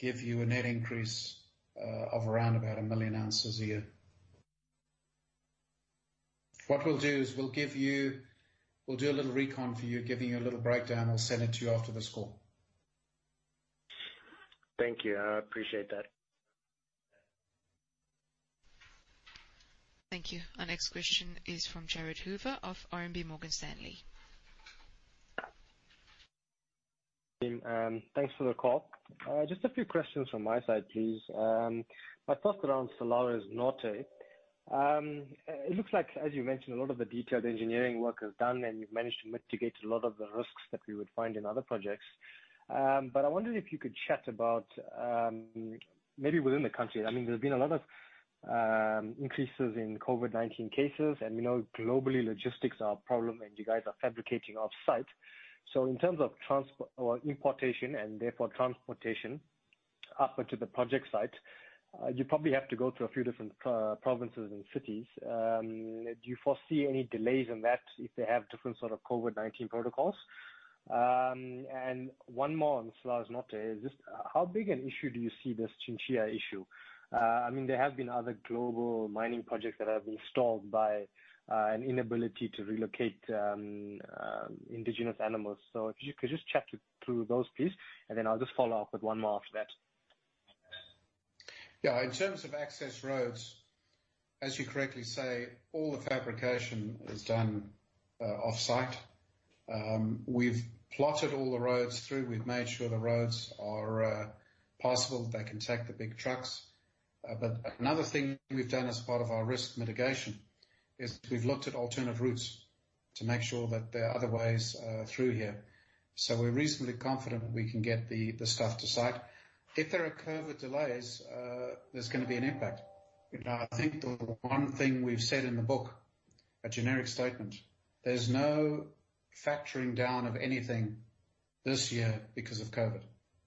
give you a net increase of around about 1 million ounces a year. What we'll do is we'll do a little recon for you, giving you a little breakdown. I'll send it to you after this call. Thank you. I appreciate that. Thank you. Our next question is from Jared Hoover of RMB Morgan Stanley. Team, thanks for the call. Just a few questions from my side, please. My first around Salares Norte. It looks like, as you mentioned, a lot of the detailed engineering work is done, and you've managed to mitigate a lot of the risks that we would find in other projects. But I wondered if you could chat about, maybe within the country. There have been a lot of increases in COVID-19 cases, and we know globally logistics are a problem, and you guys are fabricating off-site. So in terms of importations and therefore transportation up to the project site, you probably have to go through a few different provinces and cities. Do you foresee any delays in that if they have different sort of COVID-19 protocols? One more on Salares Norte. Just how big an issue do you see this chinchilla issue? I mean, there have been other global mining projects that have been stalled by an inability to relocate indigenous animals. If you could just chat through those, please, and then I'll just follow up with one more after that. Yeah. In terms of access roads, as you correctly say, all the fabrication is done off-site. We've plotted all the roads through. We've made sure the roads are possible. They can take the big trucks. Another thing we've done as part of our risk mitigation is we've looked at alternative routes to make sure that there are other ways through here. We're reasonably confident we can get the stuff to site. If there are COVID delays, there's going to be an impact. I think the one thing we've said in the book, a generic statement, there's no factoring down of anything this year because of COVID,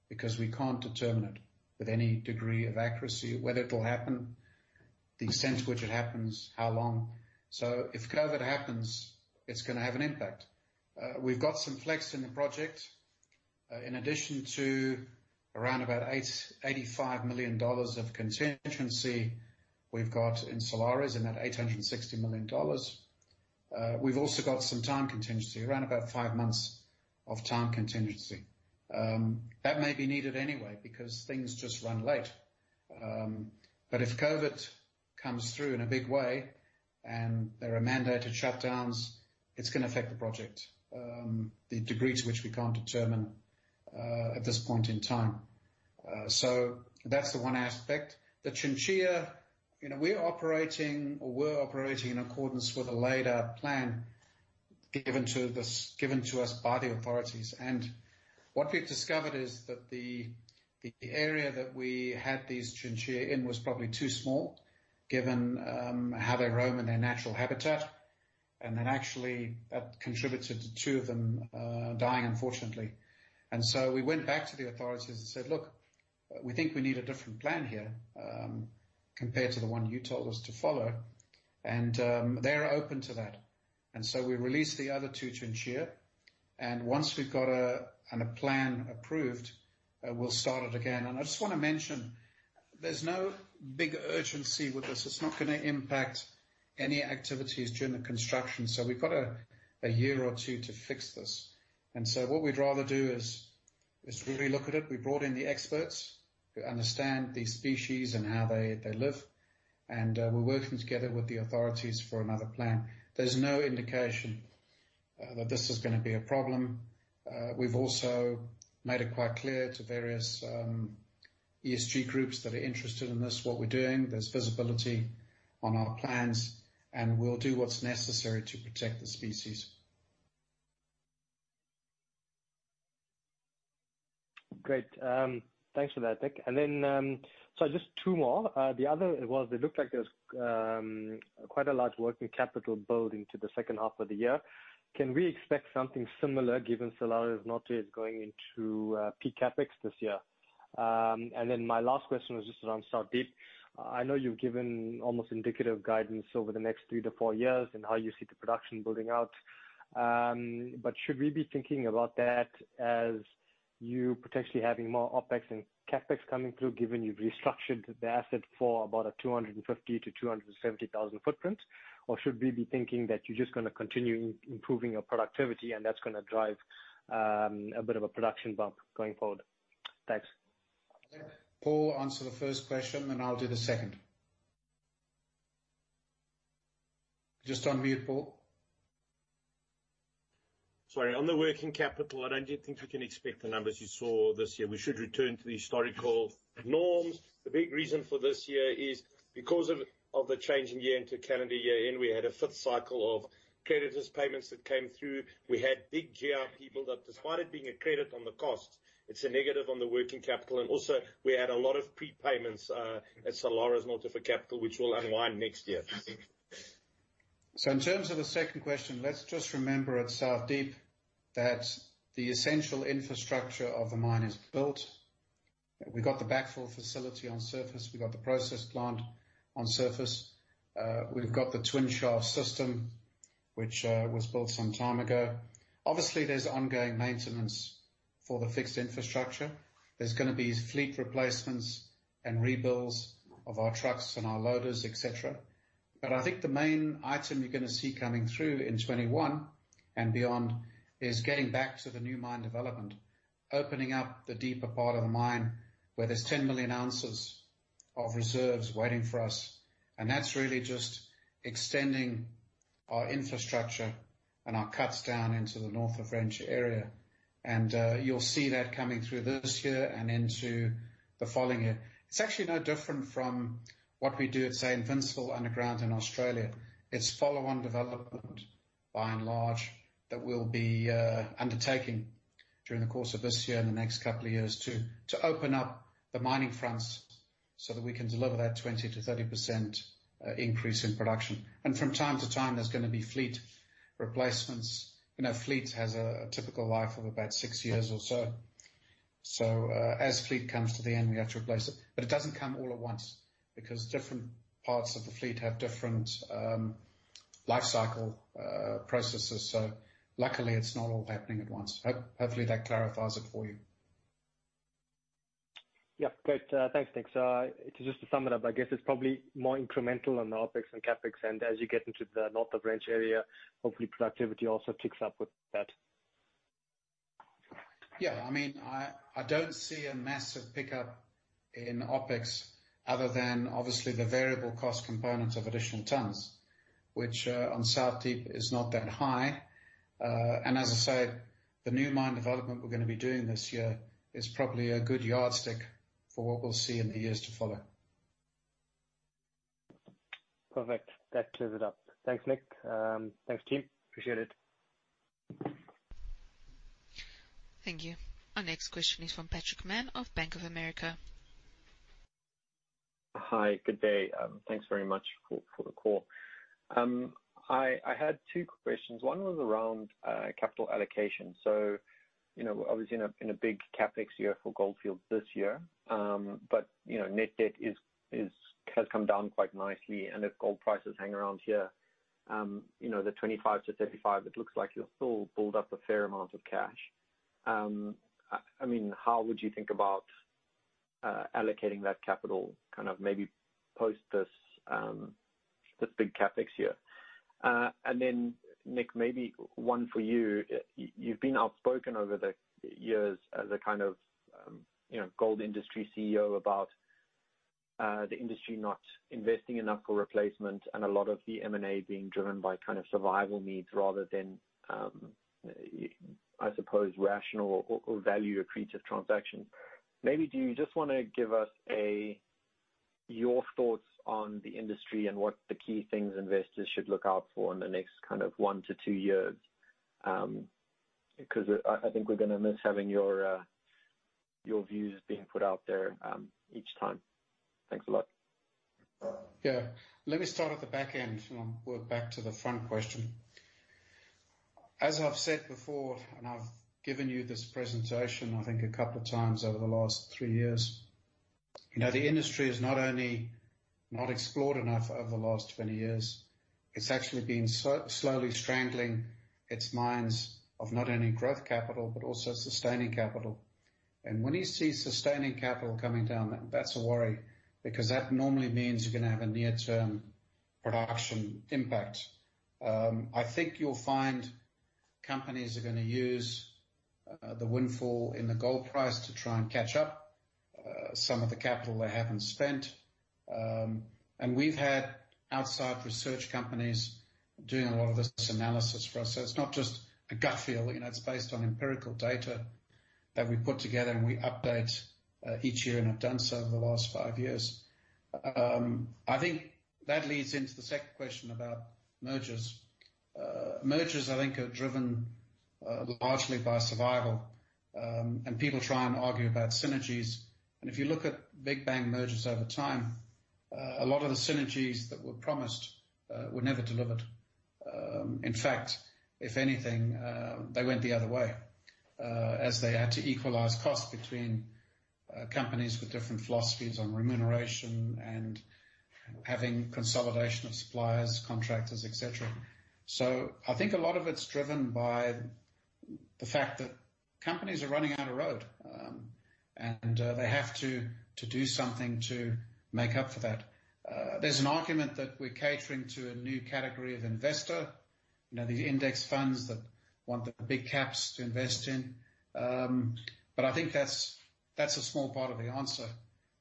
because we can't determine it with any degree of accuracy whether it will happen, the extent to which it happens, how long. If COVID happens, it's going to have an impact. We've got some flex in the project. In addition to around about $85 million of contingency we've got in Salares in that $860 million. We've also got some time contingency, around about five months of time contingency. That may be needed anyway because things just run late. If COVID comes through in a big way and there are mandated shutdowns, it's going to affect the project, the degree to which we can't determine at this point in time. That's the one aspect. The chinchilla, we're operating or were operating in accordance with a laid-out plan given to us by the authorities. What we've discovered is that the area that we had these chinchilla in was probably too small given how they roam in their natural habitat. Actually, that contributed to two of them dying, unfortunately. We went back to the authorities and said: Look, we think we need a different plan here compared to the one you told us to follow. They're open to that. And so we released the other two chinchilla, and once we've got a plan approved, we'll start it again. I just want to mention, there's no big urgency with this. It's not going to impact any activities during the construction. So we've got a year or two to fix this. And so, what we'd rather do is really look at it. We brought in the experts who understand these species and how they live, and we're working together with the authorities for another plan. There's no indication that this is going to be a problem. We've also made it quite clear to various ESG groups that are interested in this, what we're doing. There's visibility on our plans, and we'll do what's necessary to protect the species. Great. Thanks for that, Nick. Just two more. The other was it looked like there's quite a large working capital build into the second half of the year. Can we expect something similar given Salares Norte is going into peak CapEx this year? And then, my last question was just around South Deep. I know you've given almost indicative guidance over the next three to four years and how you see the production building out. But should we be thinking about that as you potentially having more OpEx and CapEx coming through, given you've restructured the asset for about a 250,000-270,000 footprint? Or should we be thinking that you're just going to continue improving your productivity and that's going to drive a bit of a production bump going forward? Thanks. Paul answer the first question, then I'll do the second. Just unmute, Paul. Sorry. On the working capital, I don't think we can expect the numbers you saw this year. We should return to the historical norms. The big reason for this year is because of the change in year-end to calendar year-end, we had a fifth cycle of creditors' payments that came through. We had in Gruyere's people that, despite it being a credit on the costs, it's a negative on the working capital. Also, we had a lot of prepayments at Salares Norte for capital, which will unwind next year. So, in terms of the second question, let's just remember at South Deep that the essential infrastructure of the mine is built. We got the backfill facility on surface. We got the process plant on surface. We've got the twin shaft system, which was built some time ago. Obviously, there's ongoing maintenance for the fixed infrastructure. There's going to be fleet replacements and rebuilds of our trucks and our loaders, et cetera. I think the main item you're going to see coming through in 2021 and beyond is getting back to the new mine development, opening up the deeper part of the mine where there's 10 million ounces of reserves waiting for us, and that's really just extending our infrastructure and our cuts down into the North of Wrench area. And you'll see that coming through this year and into the following year. It's actually no different from what we do at, say, Invincible underground in Australia. It's follow-on development by and large, that we'll be undertaking during the course of this year and the next couple of years too, to open up the mining fronts so that we can deliver that 20%-30% increase in production. From time to time, there's going to be fleet replacements. Fleet has a typical life of about six years or so. As fleet comes to the end, we have to replace it. It doesn't come all at once because different parts of the fleet have different lifecycle processes. Luckily, it's not all happening at once. Hopefully, that clarifies it for you. Yeah. Great. Thanks, Nick. Just to sum it up, I guess it's probably more incremental on the OpEx and CapEx, and as you get into the North of Wrench area, hopefully productivity also ticks up with that. Yeah. I mean, I don't see a massive pickup in OpEx other than obviously the variable cost component of additional tons, which, on South Deep is not that high. As I said, the new mine development we're going to be doing this year is probably a good yardstick for what we'll see in the years to follow. Perfect. That clears it up. Thanks, Nick. Thanks, team. Appreciate it. Thank you. Our next question is from Patrick Mann of Bank of America. Hi. Good day. Thanks very much for the call. I had two questions. One was around capital allocation. You know, obviously in a big CapEx year for Gold Fields this year. But, you know, net debt has come down quite nicely, and if gold prices hang around here, you know, the $25 million-$35million, it looks like you'll still build up a fair amount of cash. I mean, how would you think about allocating that capital, maybe post this big CapEx year? and then, Nick, maybe one for you. You've been outspoken over the years as a kind of, you know, gold industry CEO about the industry not investing enough for replacement and a lot of the M&A being driven by survival needs rather than, I suppose, rational or value-accretive transaction. Maybe do you just want to give us your thoughts on the industry and what the key things investors should look out for in the next one to two years? I think we're going to miss having your views being put out there each time. Thanks a lot. Yeah. Let me start at the back end and I'll work back to the front question. As I've said before, I've given you this presentation, I think a couple of times over the last three years. The industry has not only not explored enough over the last 20 years, it's actually been slowly strangling its mines of not only growth capital, but also sustaining capital. When you see sustaining capital coming down, that's a worry because that normally means you're going to have a near-term production impact. I think you'll find companies are going to use the windfall in the gold price to try and catch up some of the capital they haven't spent. We've had outside research companies doing a lot of this analysis for us. It's not just a gut feel. It's based on empirical data that we put together, and we update each year, and have done so over the last five years. I think that leads into the second question about mergers. Mergers, I think, are driven largely by survival. People try and argue about synergies. If you look at big bang mergers over time, a lot of the synergies that were promised, were never delivered. In fact, if anything, they went the other way, as they had to equalize costs between companies with different philosophies on remuneration and having consolidation of suppliers, contractors, et cetera. I think a lot of it's driven by the fact that companies are running out of road, and they have to do something to make up for that. There's an argument that we're catering to a new category of investor, these index funds that want the big caps to invest in. I think that's a small part of the answer.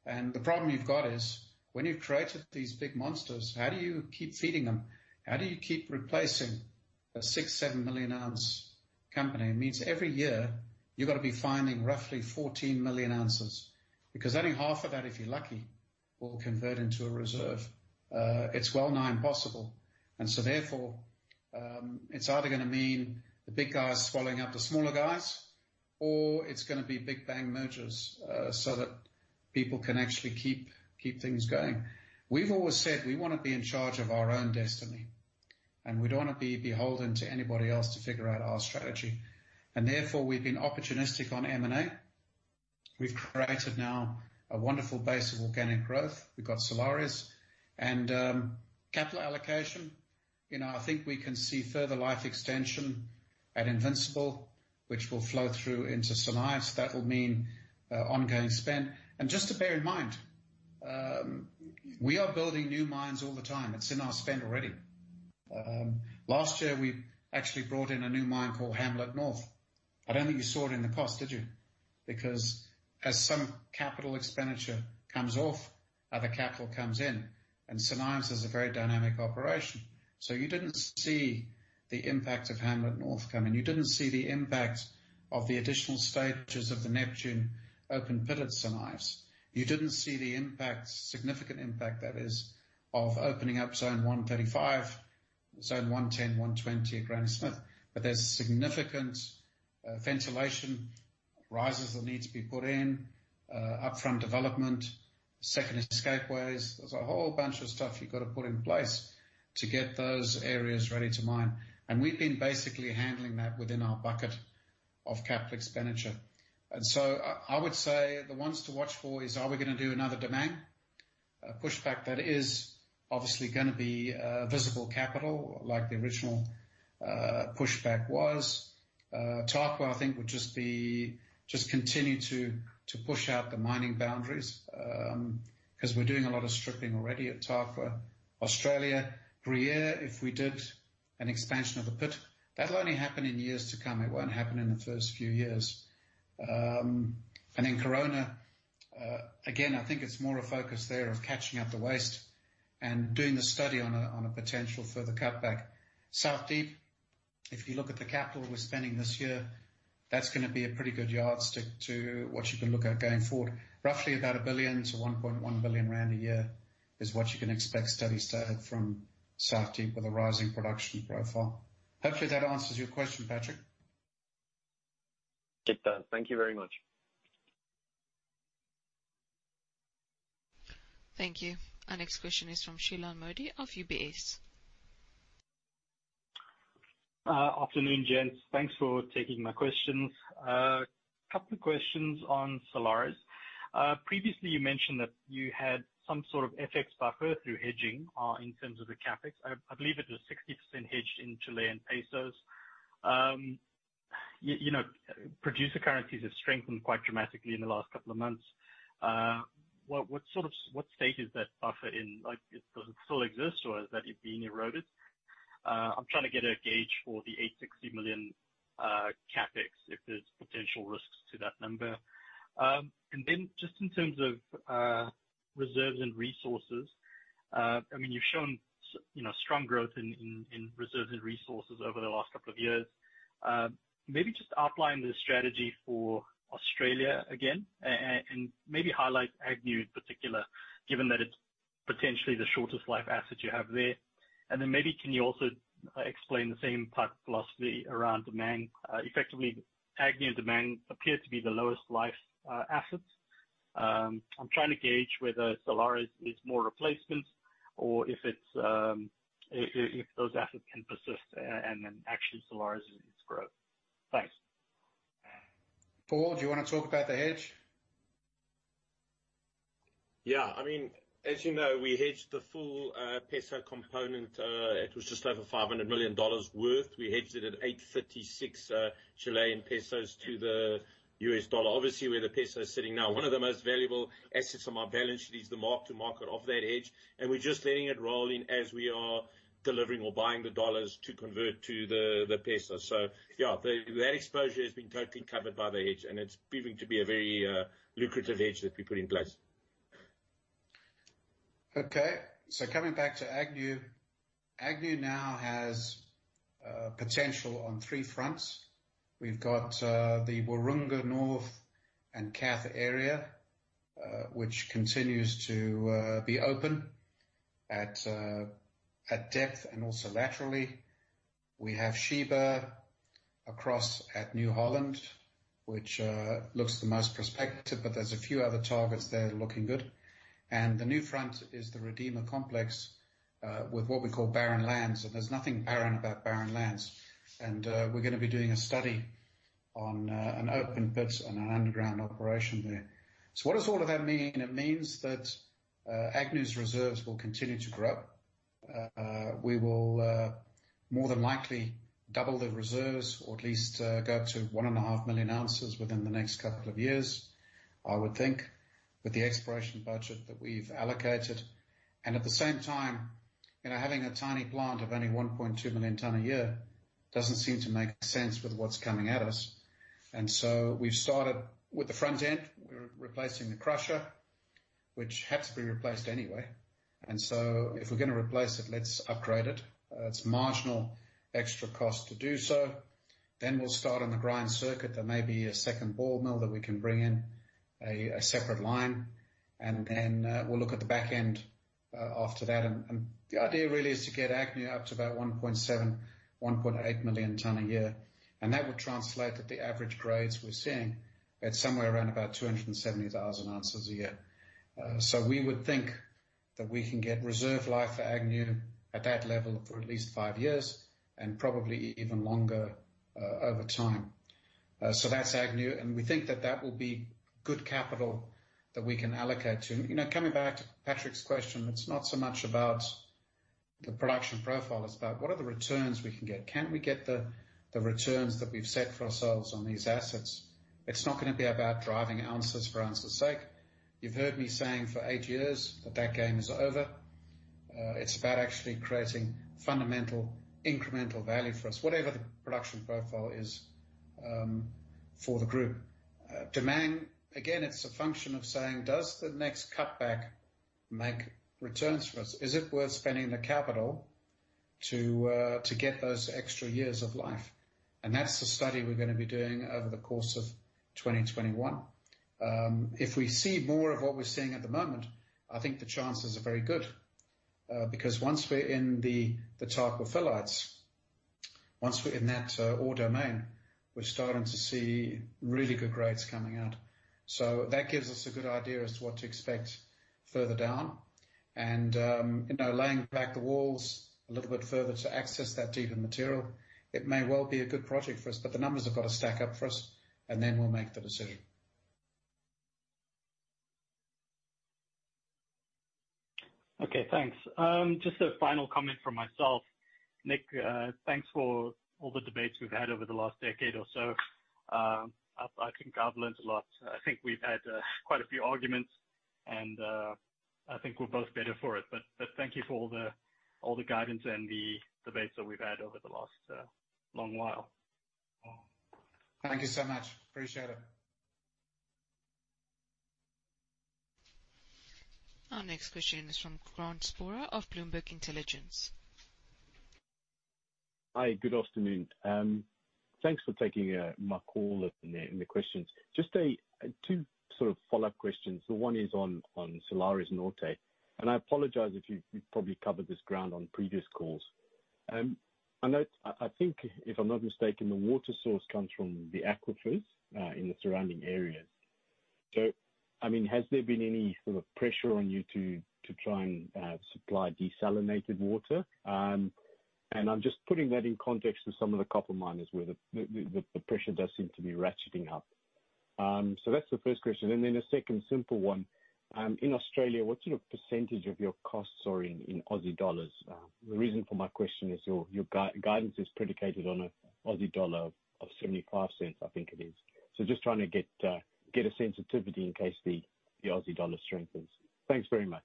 The problem you've got is when you've created these big monsters, how do you keep feeding them? How do you keep replacing a 6-7 million-ounce company? It means every year you've got to be finding roughly 14 million ounces, because only half of that, if you're lucky, will convert into a reserve. It's well-nigh impossible. Therefore, it's either going to mean the big guys swallowing up the smaller guys or it's going to be big bang mergers, so that people can actually keep things going. We've always said we want to be in charge of our own destiny, and we don't want to be beholden to anybody else to figure out our strategy. And therefore, we've been opportunistic on M&A. We've created now a wonderful base of organic growth. We've got Salares. Capital allocation, I think we can see further life extension at Invincible, which will flow through into St Ives. That will mean ongoing spend. Just to bear in mind, we are building new mines all the time. It's in our spend already. Last year, we actually brought in a new mine called Hamlet North. I don't think you saw it in the past, did you? As some capital expenditure comes off, other capital comes in, and St Ives is a very dynamic operation. You didn't see the impact of Hamlet North coming. You didn't see the impact of the additional stages of the Neptune open pit at St Ives. You didn't see the impact, significant impact that is, of opening up Zone 135, Zone 110, 120 at Granny Smith. There's significant ventilation rises that need to be put in, upfront development, second escapeways. There's a whole bunch of stuff you've got to put in place to get those areas ready to mine. We've been basically handling that within our bucket of capital expenditure. I would say the ones to watch for is, are we going to do another Damang pushback? That is obviously going to be visible capital like the original pushback was. Tarkwa, I think will just continue to push out the mining boundaries, because we're doing a lot of stripping already at Tarkwa. Australia, Gruyere, if we did an expansion of a pit, that'll only happen in years to come. It won't happen in the first few years. Corona, again, I think it's more a focus there of catching up the waste and doing the study on a potential further cutback. South Deep, if you look at the capital we're spending this year, that's going to be a pretty good yardstick to what you can look at going forward. Roughly about 1 billion-1.1 billion rand a year is what you can expect steady state from South Deep with a rising production profile. Hopefully that answers your question, Patrick. It does. Thank you very much. Thank you. Our next question is from Shilan Modi of UBS. Afternoon, gents. Thanks for taking my questions. A couple of questions on Salares. Previously you mentioned that you had some sort of FX buffer through hedging, in terms of the CapEx. I believe it was 60% hedged in Chilean pesos. You know, producer currencies have strengthened quite dramatically in the last couple of months. What state is that buffer in? Does it still exist or is that being eroded? I'm trying to get a gauge for the $860 million CapEx if there's potential risks to that number. Just in terms of reserves and resources, I mean, you've shown, you know, strong growth in reserves and resources over the last couple of years. Maybe just outline the strategy for Australia again and maybe highlight Agnew in particular, given that it's potentially the shortest life asset you have there. Maybe can you also explain the same type of philosophy around Damang? Effectively, Agnew and Damang appear to be the lowest life assets. I'm trying to gauge whether Salares is more replacement or if those assets can persist and then actually Salares is growth. Thanks. Paul, do you want to talk about the hedge? Yeah. As you know, we hedged the full peso component. It was just over $500 million worth. We hedged it at 836 Chilean pesos to the U.S. dollar. Obviously, where the peso is sitting now, one of the most valuable assets on our balance sheet is the mark to market of that hedge, and we're just letting it roll in as we are delivering or buying the dollars to convert to the peso. Yeah, that exposure has been totally covered by the hedge and it's proving to be a very lucrative hedge that we put in place. Okay. Coming back to Agnew. Agnew now has potential on three fronts. We've got the Waroonga North and Kath area, which continues to be open at depth and also laterally. We have Sheba across at New Holland, which looks the most prospective, but there's a few other targets there looking good. The new front is the Redeemer Complex, with what we call Barren Lands. There's nothing barren about Barren Lands. We're going to be doing a study on an open pit and an underground operation there. What does all of that mean? It means that Agnew's reserves will continue to grow. We will more than likely double the reserves or at least go up to one and a half million ounces within the next couple of years, I would think, with the exploration budget that we've allocated. At the same time, having a tiny plant of only 1.2 million ton a year doesn't seem to make sense with what's coming at us. We've started with the front end. We're replacing the crusher, which had to be replaced anyway. If we're going to replace it, let's upgrade it. It's marginal extra cost to do so. We'll start on the grind circuit. There may be a second ball mill that we can bring in a separate line and then we'll look at the back end after that. The idea really is to get Agnew up to about 1.7 million-1.8 million ton a year. That would translate at the average grades we're seeing at somewhere around about 270,000 ounces a year. We would think that we can get reserve life for Agnew at that level for at least five years and probably even longer over time. That's Agnew and we think that that will be good capital that we can allocate to. Coming back to Patrick's question, it's not so much about the production profile, it's about what are the returns we can get? Can we get the returns that we've set for ourselves on these assets? It's not going to be about driving ounces for ounces' sake. You've heard me saying for eight years that that game is over. It's about actually creating fundamental incremental value for us, whatever the production profile is for the group. Damang, again, it's a function of saying, does the next cutback make returns for us? Is it worth spending the capital to get those extra years of life? That's the study we're going to be doing over the course of 2021. If we see more of what we're seeing at the moment, I think the chances are very good. Once we're in the charcoal phyllites, once we're in that ore domain, we're starting to see really good grades coming out. That gives us a good idea as to what to expect further down and laying back the walls a little bit further to access that deeper material. It may well be a good project for us, but the numbers have got to stack up for us, and then we'll make the decision. Okay, thanks. Just a final comment from myself. Nick, thanks for all the debates we've had over the last decade or so. I think I've learned a lot. I think we've had quite a few arguments. I think we're both better for it. Thank you for all the guidance and the debates that we've had over the last long while. Thank you so much. Appreciate it. Our next question is from Grant Sporre of Bloomberg Intelligence. Hi, good afternoon. Thanks for taking my call and the questions. Just two follow-up questions. One is on Salares Norte, and I apologize if you've probably covered this ground on previous calls. I think, if I'm not mistaken, the water source comes from the aquifers in the surrounding areas. Has there been any sort of pressure on you to try and supply desalinated water? I'm just putting that in context of some of the copper miners where the pressure does seem to be ratcheting up. That's the first question. A second simple one. In Australia, what sort of percentage of your costs are in Aussie dollars? The reason for my question is your guidance is predicated on an 0.75, I think it is. Just trying to get a sensitivity in case the Aussie dollar strengthens. Thanks very much.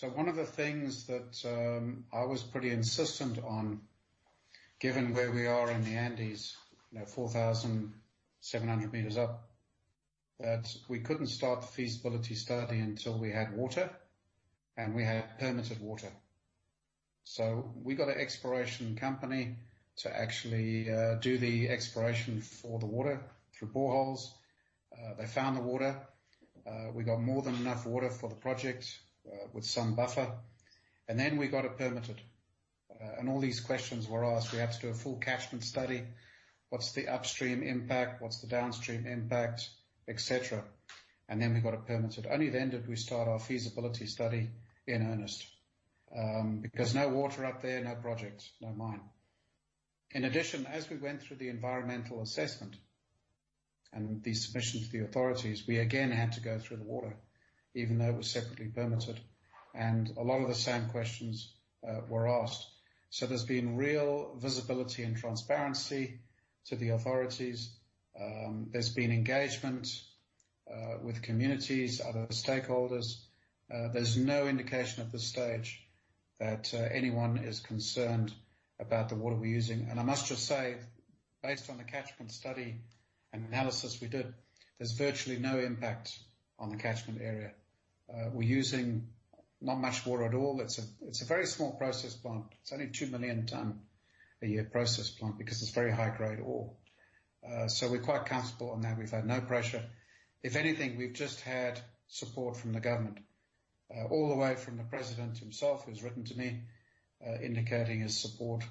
One of the things that I was pretty insistent on, given where we are in the Andes, 4,700 m up, that we couldn't start the feasibility study until we had water and we had permitted water. We got an exploration company to actually do the exploration for the water through boreholes. They found the water. We got more than enough water for the project with some buffer. Then we got it permitted. All these questions were asked. We had to do a full catchment study. What's the upstream impact? What's the downstream impact? Et cetera. Then we got it permitted. Only then did we start our feasibility study in earnest. No water up there, no project, no mine. In addition, as we went through the environmental assessment and the submission to the authorities, we again had to go through the water, even though it was separately permitted. A lot of the same questions were asked. There's been real visibility and transparency to the authorities. There's been engagement with communities, other stakeholders. There's no indication at this stage that anyone is concerned about the water we're using. I must just say, based on the catchment study and analysis we did, there's virtually no impact on the catchment area. We're using not much water at all. It's a very small process plant. It's only a 2 million ton a year process plant because it's very high-grade ore. We're quite comfortable on that. We've had no pressure. If anything, we've just had support from the government. All the way from the president himself, who's written to me indicating his support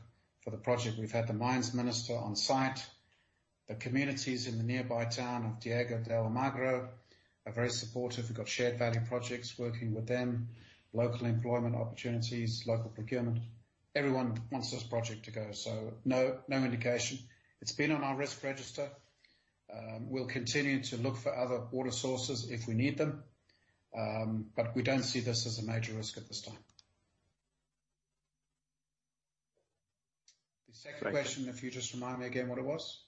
for the project. We've had the mines minister on site. The communities in the nearby town of Diego de Almagro are very supportive. We've got shared value projects working with them, local employment opportunities, local procurement. Everyone wants this project to go. No indication. It's been on our risk register. We'll continue to look for other water sources if we need them. We don't see this as a major risk at this time. The second question, if you just remind me again what it was.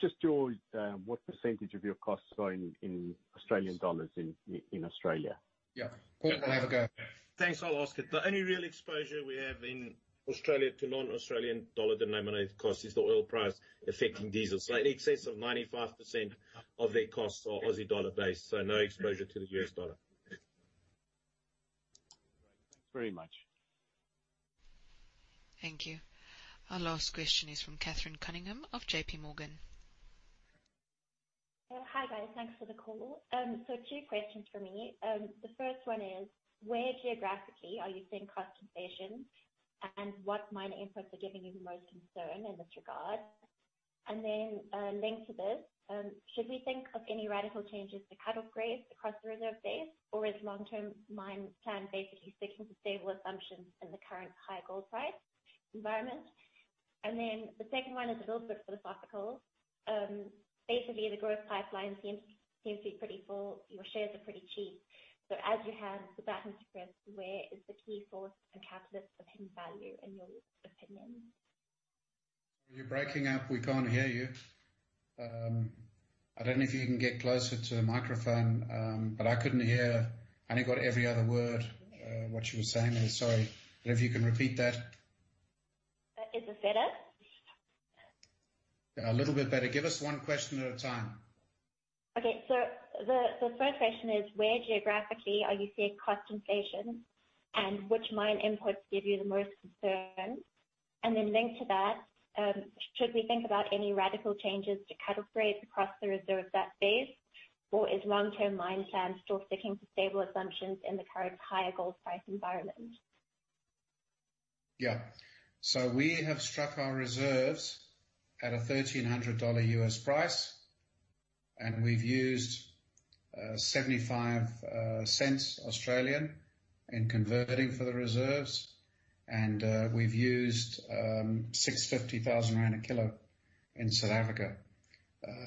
Just what percent of your costs are in Australian dollars in Australia? Yeah. Paul can have a go. Thanks. I'll ask it. The only real exposure we have in Australia to non-Australian dollar denominated costs is the oil price affecting diesel. Slightly excess of 95% of their costs are Aussie dollar based, so no exposure to the U.S. dollar. Thanks very much. Thank you. Our last question is from Catherine Cunningham of JPMorgan. Hi, guys. Thanks for the call. Two questions from me. The first one is, where geographically are you seeing cost inflation? What mine inputs are giving you the most concern in this regard? Linked to this, should we think of any radical changes to cut off grades across the reserve base, or is long-term mine plan basically sticking to stable assumptions in the current high gold price environment? The second one is a little bit philosophical. Basically, the growth pipeline seems to be pretty full. Your shares are pretty cheap. As you have the baton to press, where is the key source of catalyst of hidden value in your opinion? You're breaking up. We can't hear you. I don't know if you can get closer to the microphone, but I couldn't hear. I only got every other word, what she was saying there. Sorry. If you can repeat that. Is this better? A little bit better. Give us one question at a time. The first question is, where geographically are you seeing cost inflation, and which mine inputs give you the most concern? Linked to that, should we think about any radical changes to cut off grades across the reserve set base or is long-term mine plan still sticking to stable assumptions in the current higher gold price environment? We have struck our reserves at a $1,300 U.S. price, and we've used 0.75 in converting for the reserves. We've used 650,000 rand a kilo in South Africa.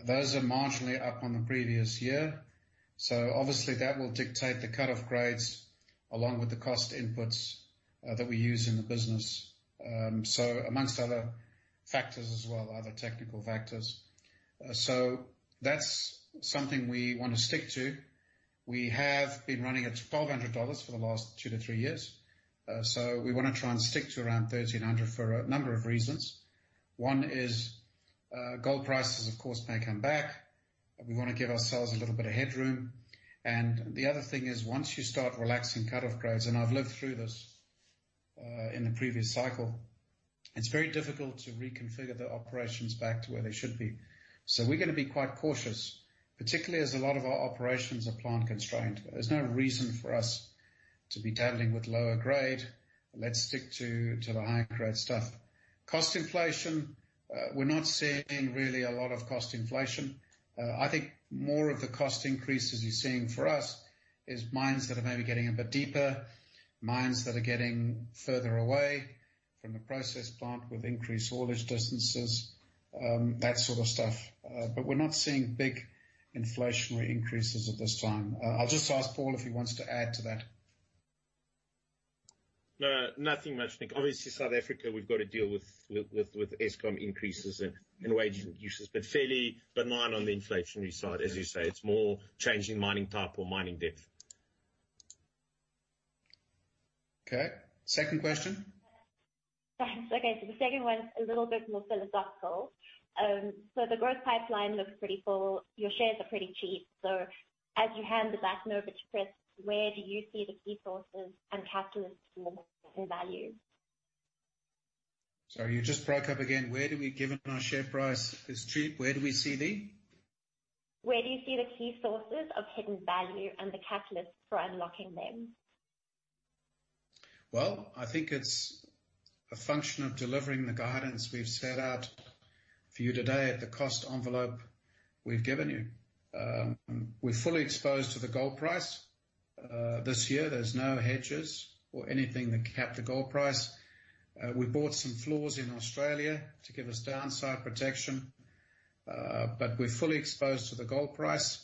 Those are marginally up on the previous year. Obviously that will dictate the cut off grades along with the cost inputs that we use in the business. Amongst other factors as well, other technical factors. That's something we want to stick to. We have been running at $1,200 for the last two to three years. We want to try and stick to around $1,300 for a number of reasons. One is, gold prices, of course, may come back, and we want to give ourselves a little bit of headroom. The other thing is, once you start relaxing cut off grades, and I've lived through this in the previous cycle, it's very difficult to reconfigure the operations back to where they should be. We're going to be quite cautious, particularly as a lot of our operations are plant constrained. There's no reason for us to be dabbling with lower grade. Let's stick to the higher grade stuff. Cost inflation, we're not seeing really a lot of cost inflation. I think more of the cost increases you're seeing for us is mines that are maybe getting a bit deeper, mines that are getting further away from the process plant with increased haulage distances, that sort of stuff. We're not seeing big inflationary increases at this time. I'll just ask Paul if he wants to add to that. No, nothing much, Nick. Obviously, South Africa, we've got to deal with Eskom increases and wage increases, but fairly benign on the inflationary side, as you say. It's more changing mining type or mining depth. Okay. Second question. Thanks. Okay. The second one's a little bit more philosophical. The growth pipeline looks pretty full. Your shares are pretty cheap. As you hand the baton over to Chris, where do you see the key sources and catalysts for more hidden value? Sorry, you just broke up again. Given our share price is cheap, where do we see the? Where do you see the key sources of hidden value and the catalysts for unlocking them? Well, I think it's a function of delivering the guidance we've set out for you today at the cost envelope we've given you. We're fully exposed to the gold price. This year there's no hedges or anything that cap the gold price. We bought some floors in Australia to give us downside protection. We're fully exposed to the gold price.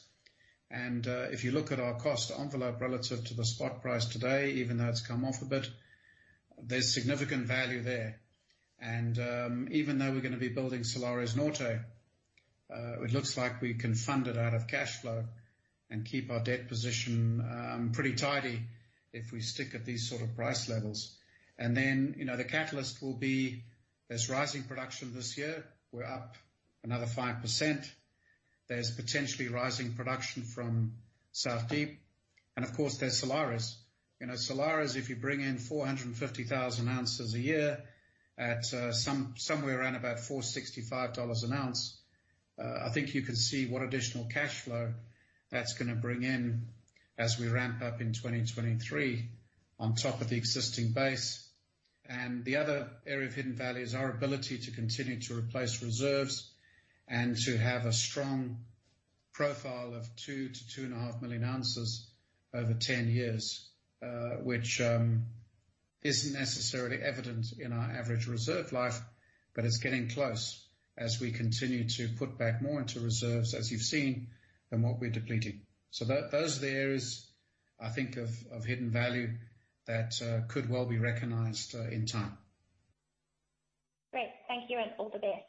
If you look at our cost envelope relative to the spot price today, even though it's come off a bit, there's significant value there. Even though we're going to be building Salares Norte, it looks like we can fund it out of cash flow and keep our debt position pretty tidy if we stick at these sort of price levels. You know, the catalyst will be there's rising production this year. We're up another 5%. There's potentially rising production from South Deep, and of course, there's Salares. Salares, if you bring in 450,000 ounces a year at somewhere around about $465 an ounce, I think you can see what additional cash flow that's going to bring in as we ramp up in 2023 on top of the existing base. And the other area of hidden value is our ability to continue to replace reserves and to have a strong profile of 2 million-2.5 million ounces over 10 years, which isn't necessarily evident in our average reserve life, but it's getting close as we continue to put back more into reserves, as you've seen, than what we're depleting. Those are the areas I think of hidden value that could well be recognized in time. Great. Thank you and all the best.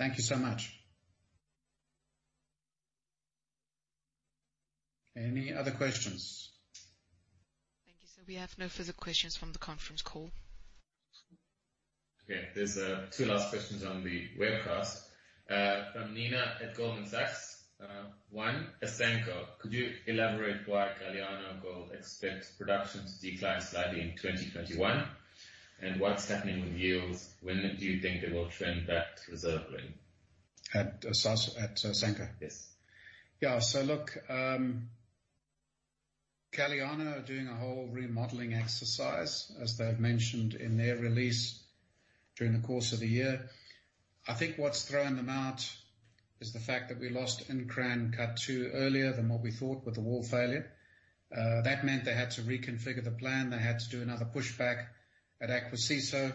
Thank you so much. Any other questions? Thank you, sir. We have no further questions from the conference call. Okay. There's two last questions on the webcast, from Nina at Goldman Sachs: One, Asanko. Could you elaborate why Galiano Gold expects production to decline slightly in 2021, and what's happening with yields? When do you think they will trend back to reserve rate? At Asanko? Yes. Yeah. Look, Galiano are doing a whole remodeling exercise, as they've mentioned in their release during the course of the year. I think what's throwing them out is the fact that we lost Nkran Cut 2 earlier than what we thought with the wall failure. That meant they had to reconfigure the plan. They had to do another pushback at Akwasiso.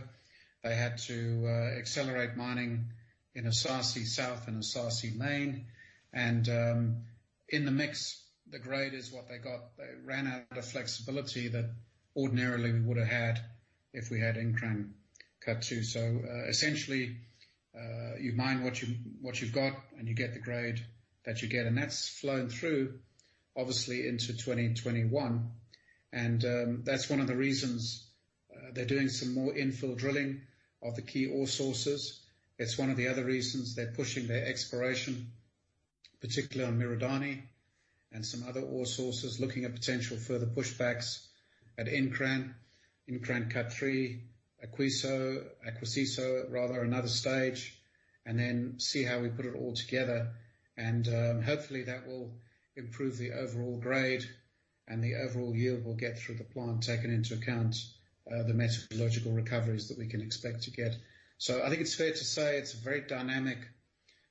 They had to accelerate mining in Esaase South and Esaase Main. In the mix, the grade is what they got. They ran out of flexibility that ordinarily we would have had if we had Nkran Cut 2. Essentially, you mine what you've got, and you get the grade that you get. That's flown through, obviously, into 2021. That's one of the reasons they're doing some more infill drilling of the key ore sources. It's one of the other reasons they're pushing their exploration, particularly on Miradani and some other ore sources, looking at potential further pushbacks at Nkran Cut 3, Akwasiso, another stage, see how we put it all together. Hopefully, that will improve the overall grade and the overall yield we'll get through the plant, taking into account the metallurgical recoveries that we can expect to get. I think it's fair to say it's a very dynamic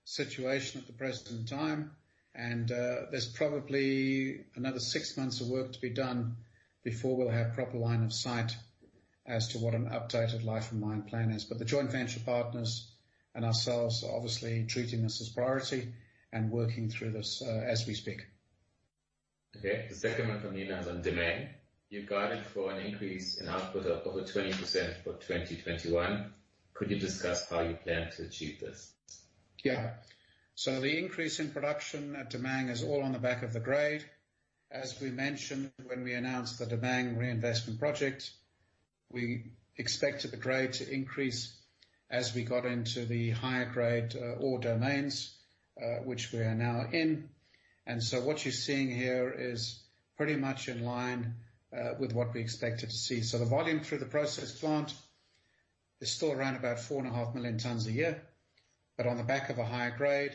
situation at the present time, there's probably another six months of work to be done before we'll have proper line of sight as to what an updated life and mine plan is. The joint venture partners and ourselves are obviously treating this as priority and working through this as we speak. Okay. The second one from Nina is: On Damang, you've guided for an increase in output of over 20% for 2021. Could you discuss how you plan to achieve this? Yeah. The increase in production at Damang is all on the back of the grade. As we mentioned when we announced the Damang reinvestment project, we expected the grade to increase as we got into the higher-grade ore domains, which we are now in. What you're seeing here is pretty much in line with what we expected to see. The volume through the process plant is still around about 4.5 million tonnes a year. On the back of a higher grade,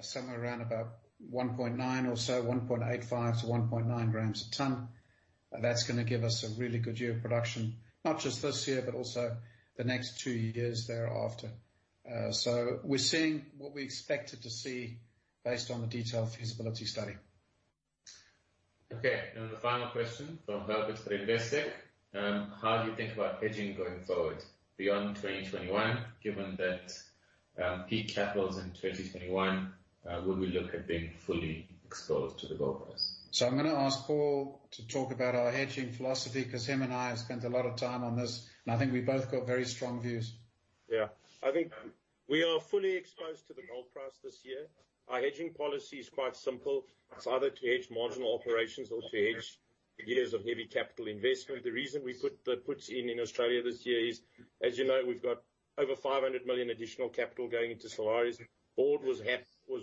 somewhere around about 1.9 or so, 1.85 to 1.9 g a tonne, that's gonna give us a really good year of production, not just this year, but also the next two years thereafter. We're seeing what we expected to see based on the detailed feasibility study. Okay, now the final question from Herbert at Investec: How do you think about hedging going forward beyond 2021, given that peak capital's in 2021? Would we look at being fully exposed to the gold price? So, I'm going to ask Paul to talk about our hedging philosophy because he and I have spent a lot of time on this, and I think we both have got very strong views. Yeah. I think we are fully exposed to the gold price this year. Our hedging policy is quite simple. It's either to hedge marginal operations or to hedge years of heavy capital investment. The reason we put the puts in in Australia this year is, as you know, we've got over $500 million additional capital going into Salares. Board was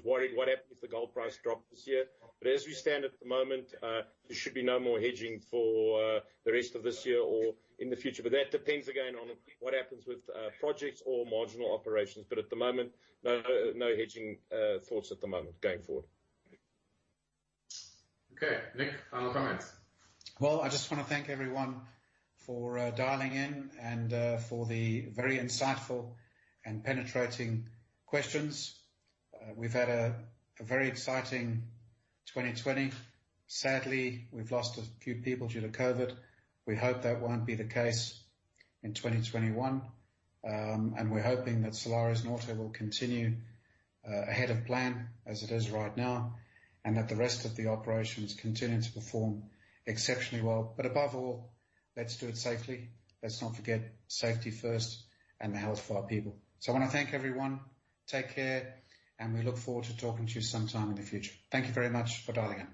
worried what happens if the gold price dropped this year. As we stand at the moment, there should be no more hedging for the rest of this year or in the future. That depends, again, on what happens with projects or marginal operations. At the moment, no hedging thoughts at the moment going forward. Okay, Nick, final comments. Well, I just wanna thank everyone for dialing in and for the very insightful and penetrating questions. We've had a very exciting 2020. Sadly, we've lost a few people due to COVID. We hope that won't be the case in 2021. We're hoping that Salares Norte will continue ahead of plan as it is right now, and that the rest of the operations continue to perform exceptionally well. Above all, let's do it safely. Let's not forget, safety first and the health of our people. So I wanna thank everyone. Take care, and we look forward to talking to you sometime in the future. Thank you very much for dialing in.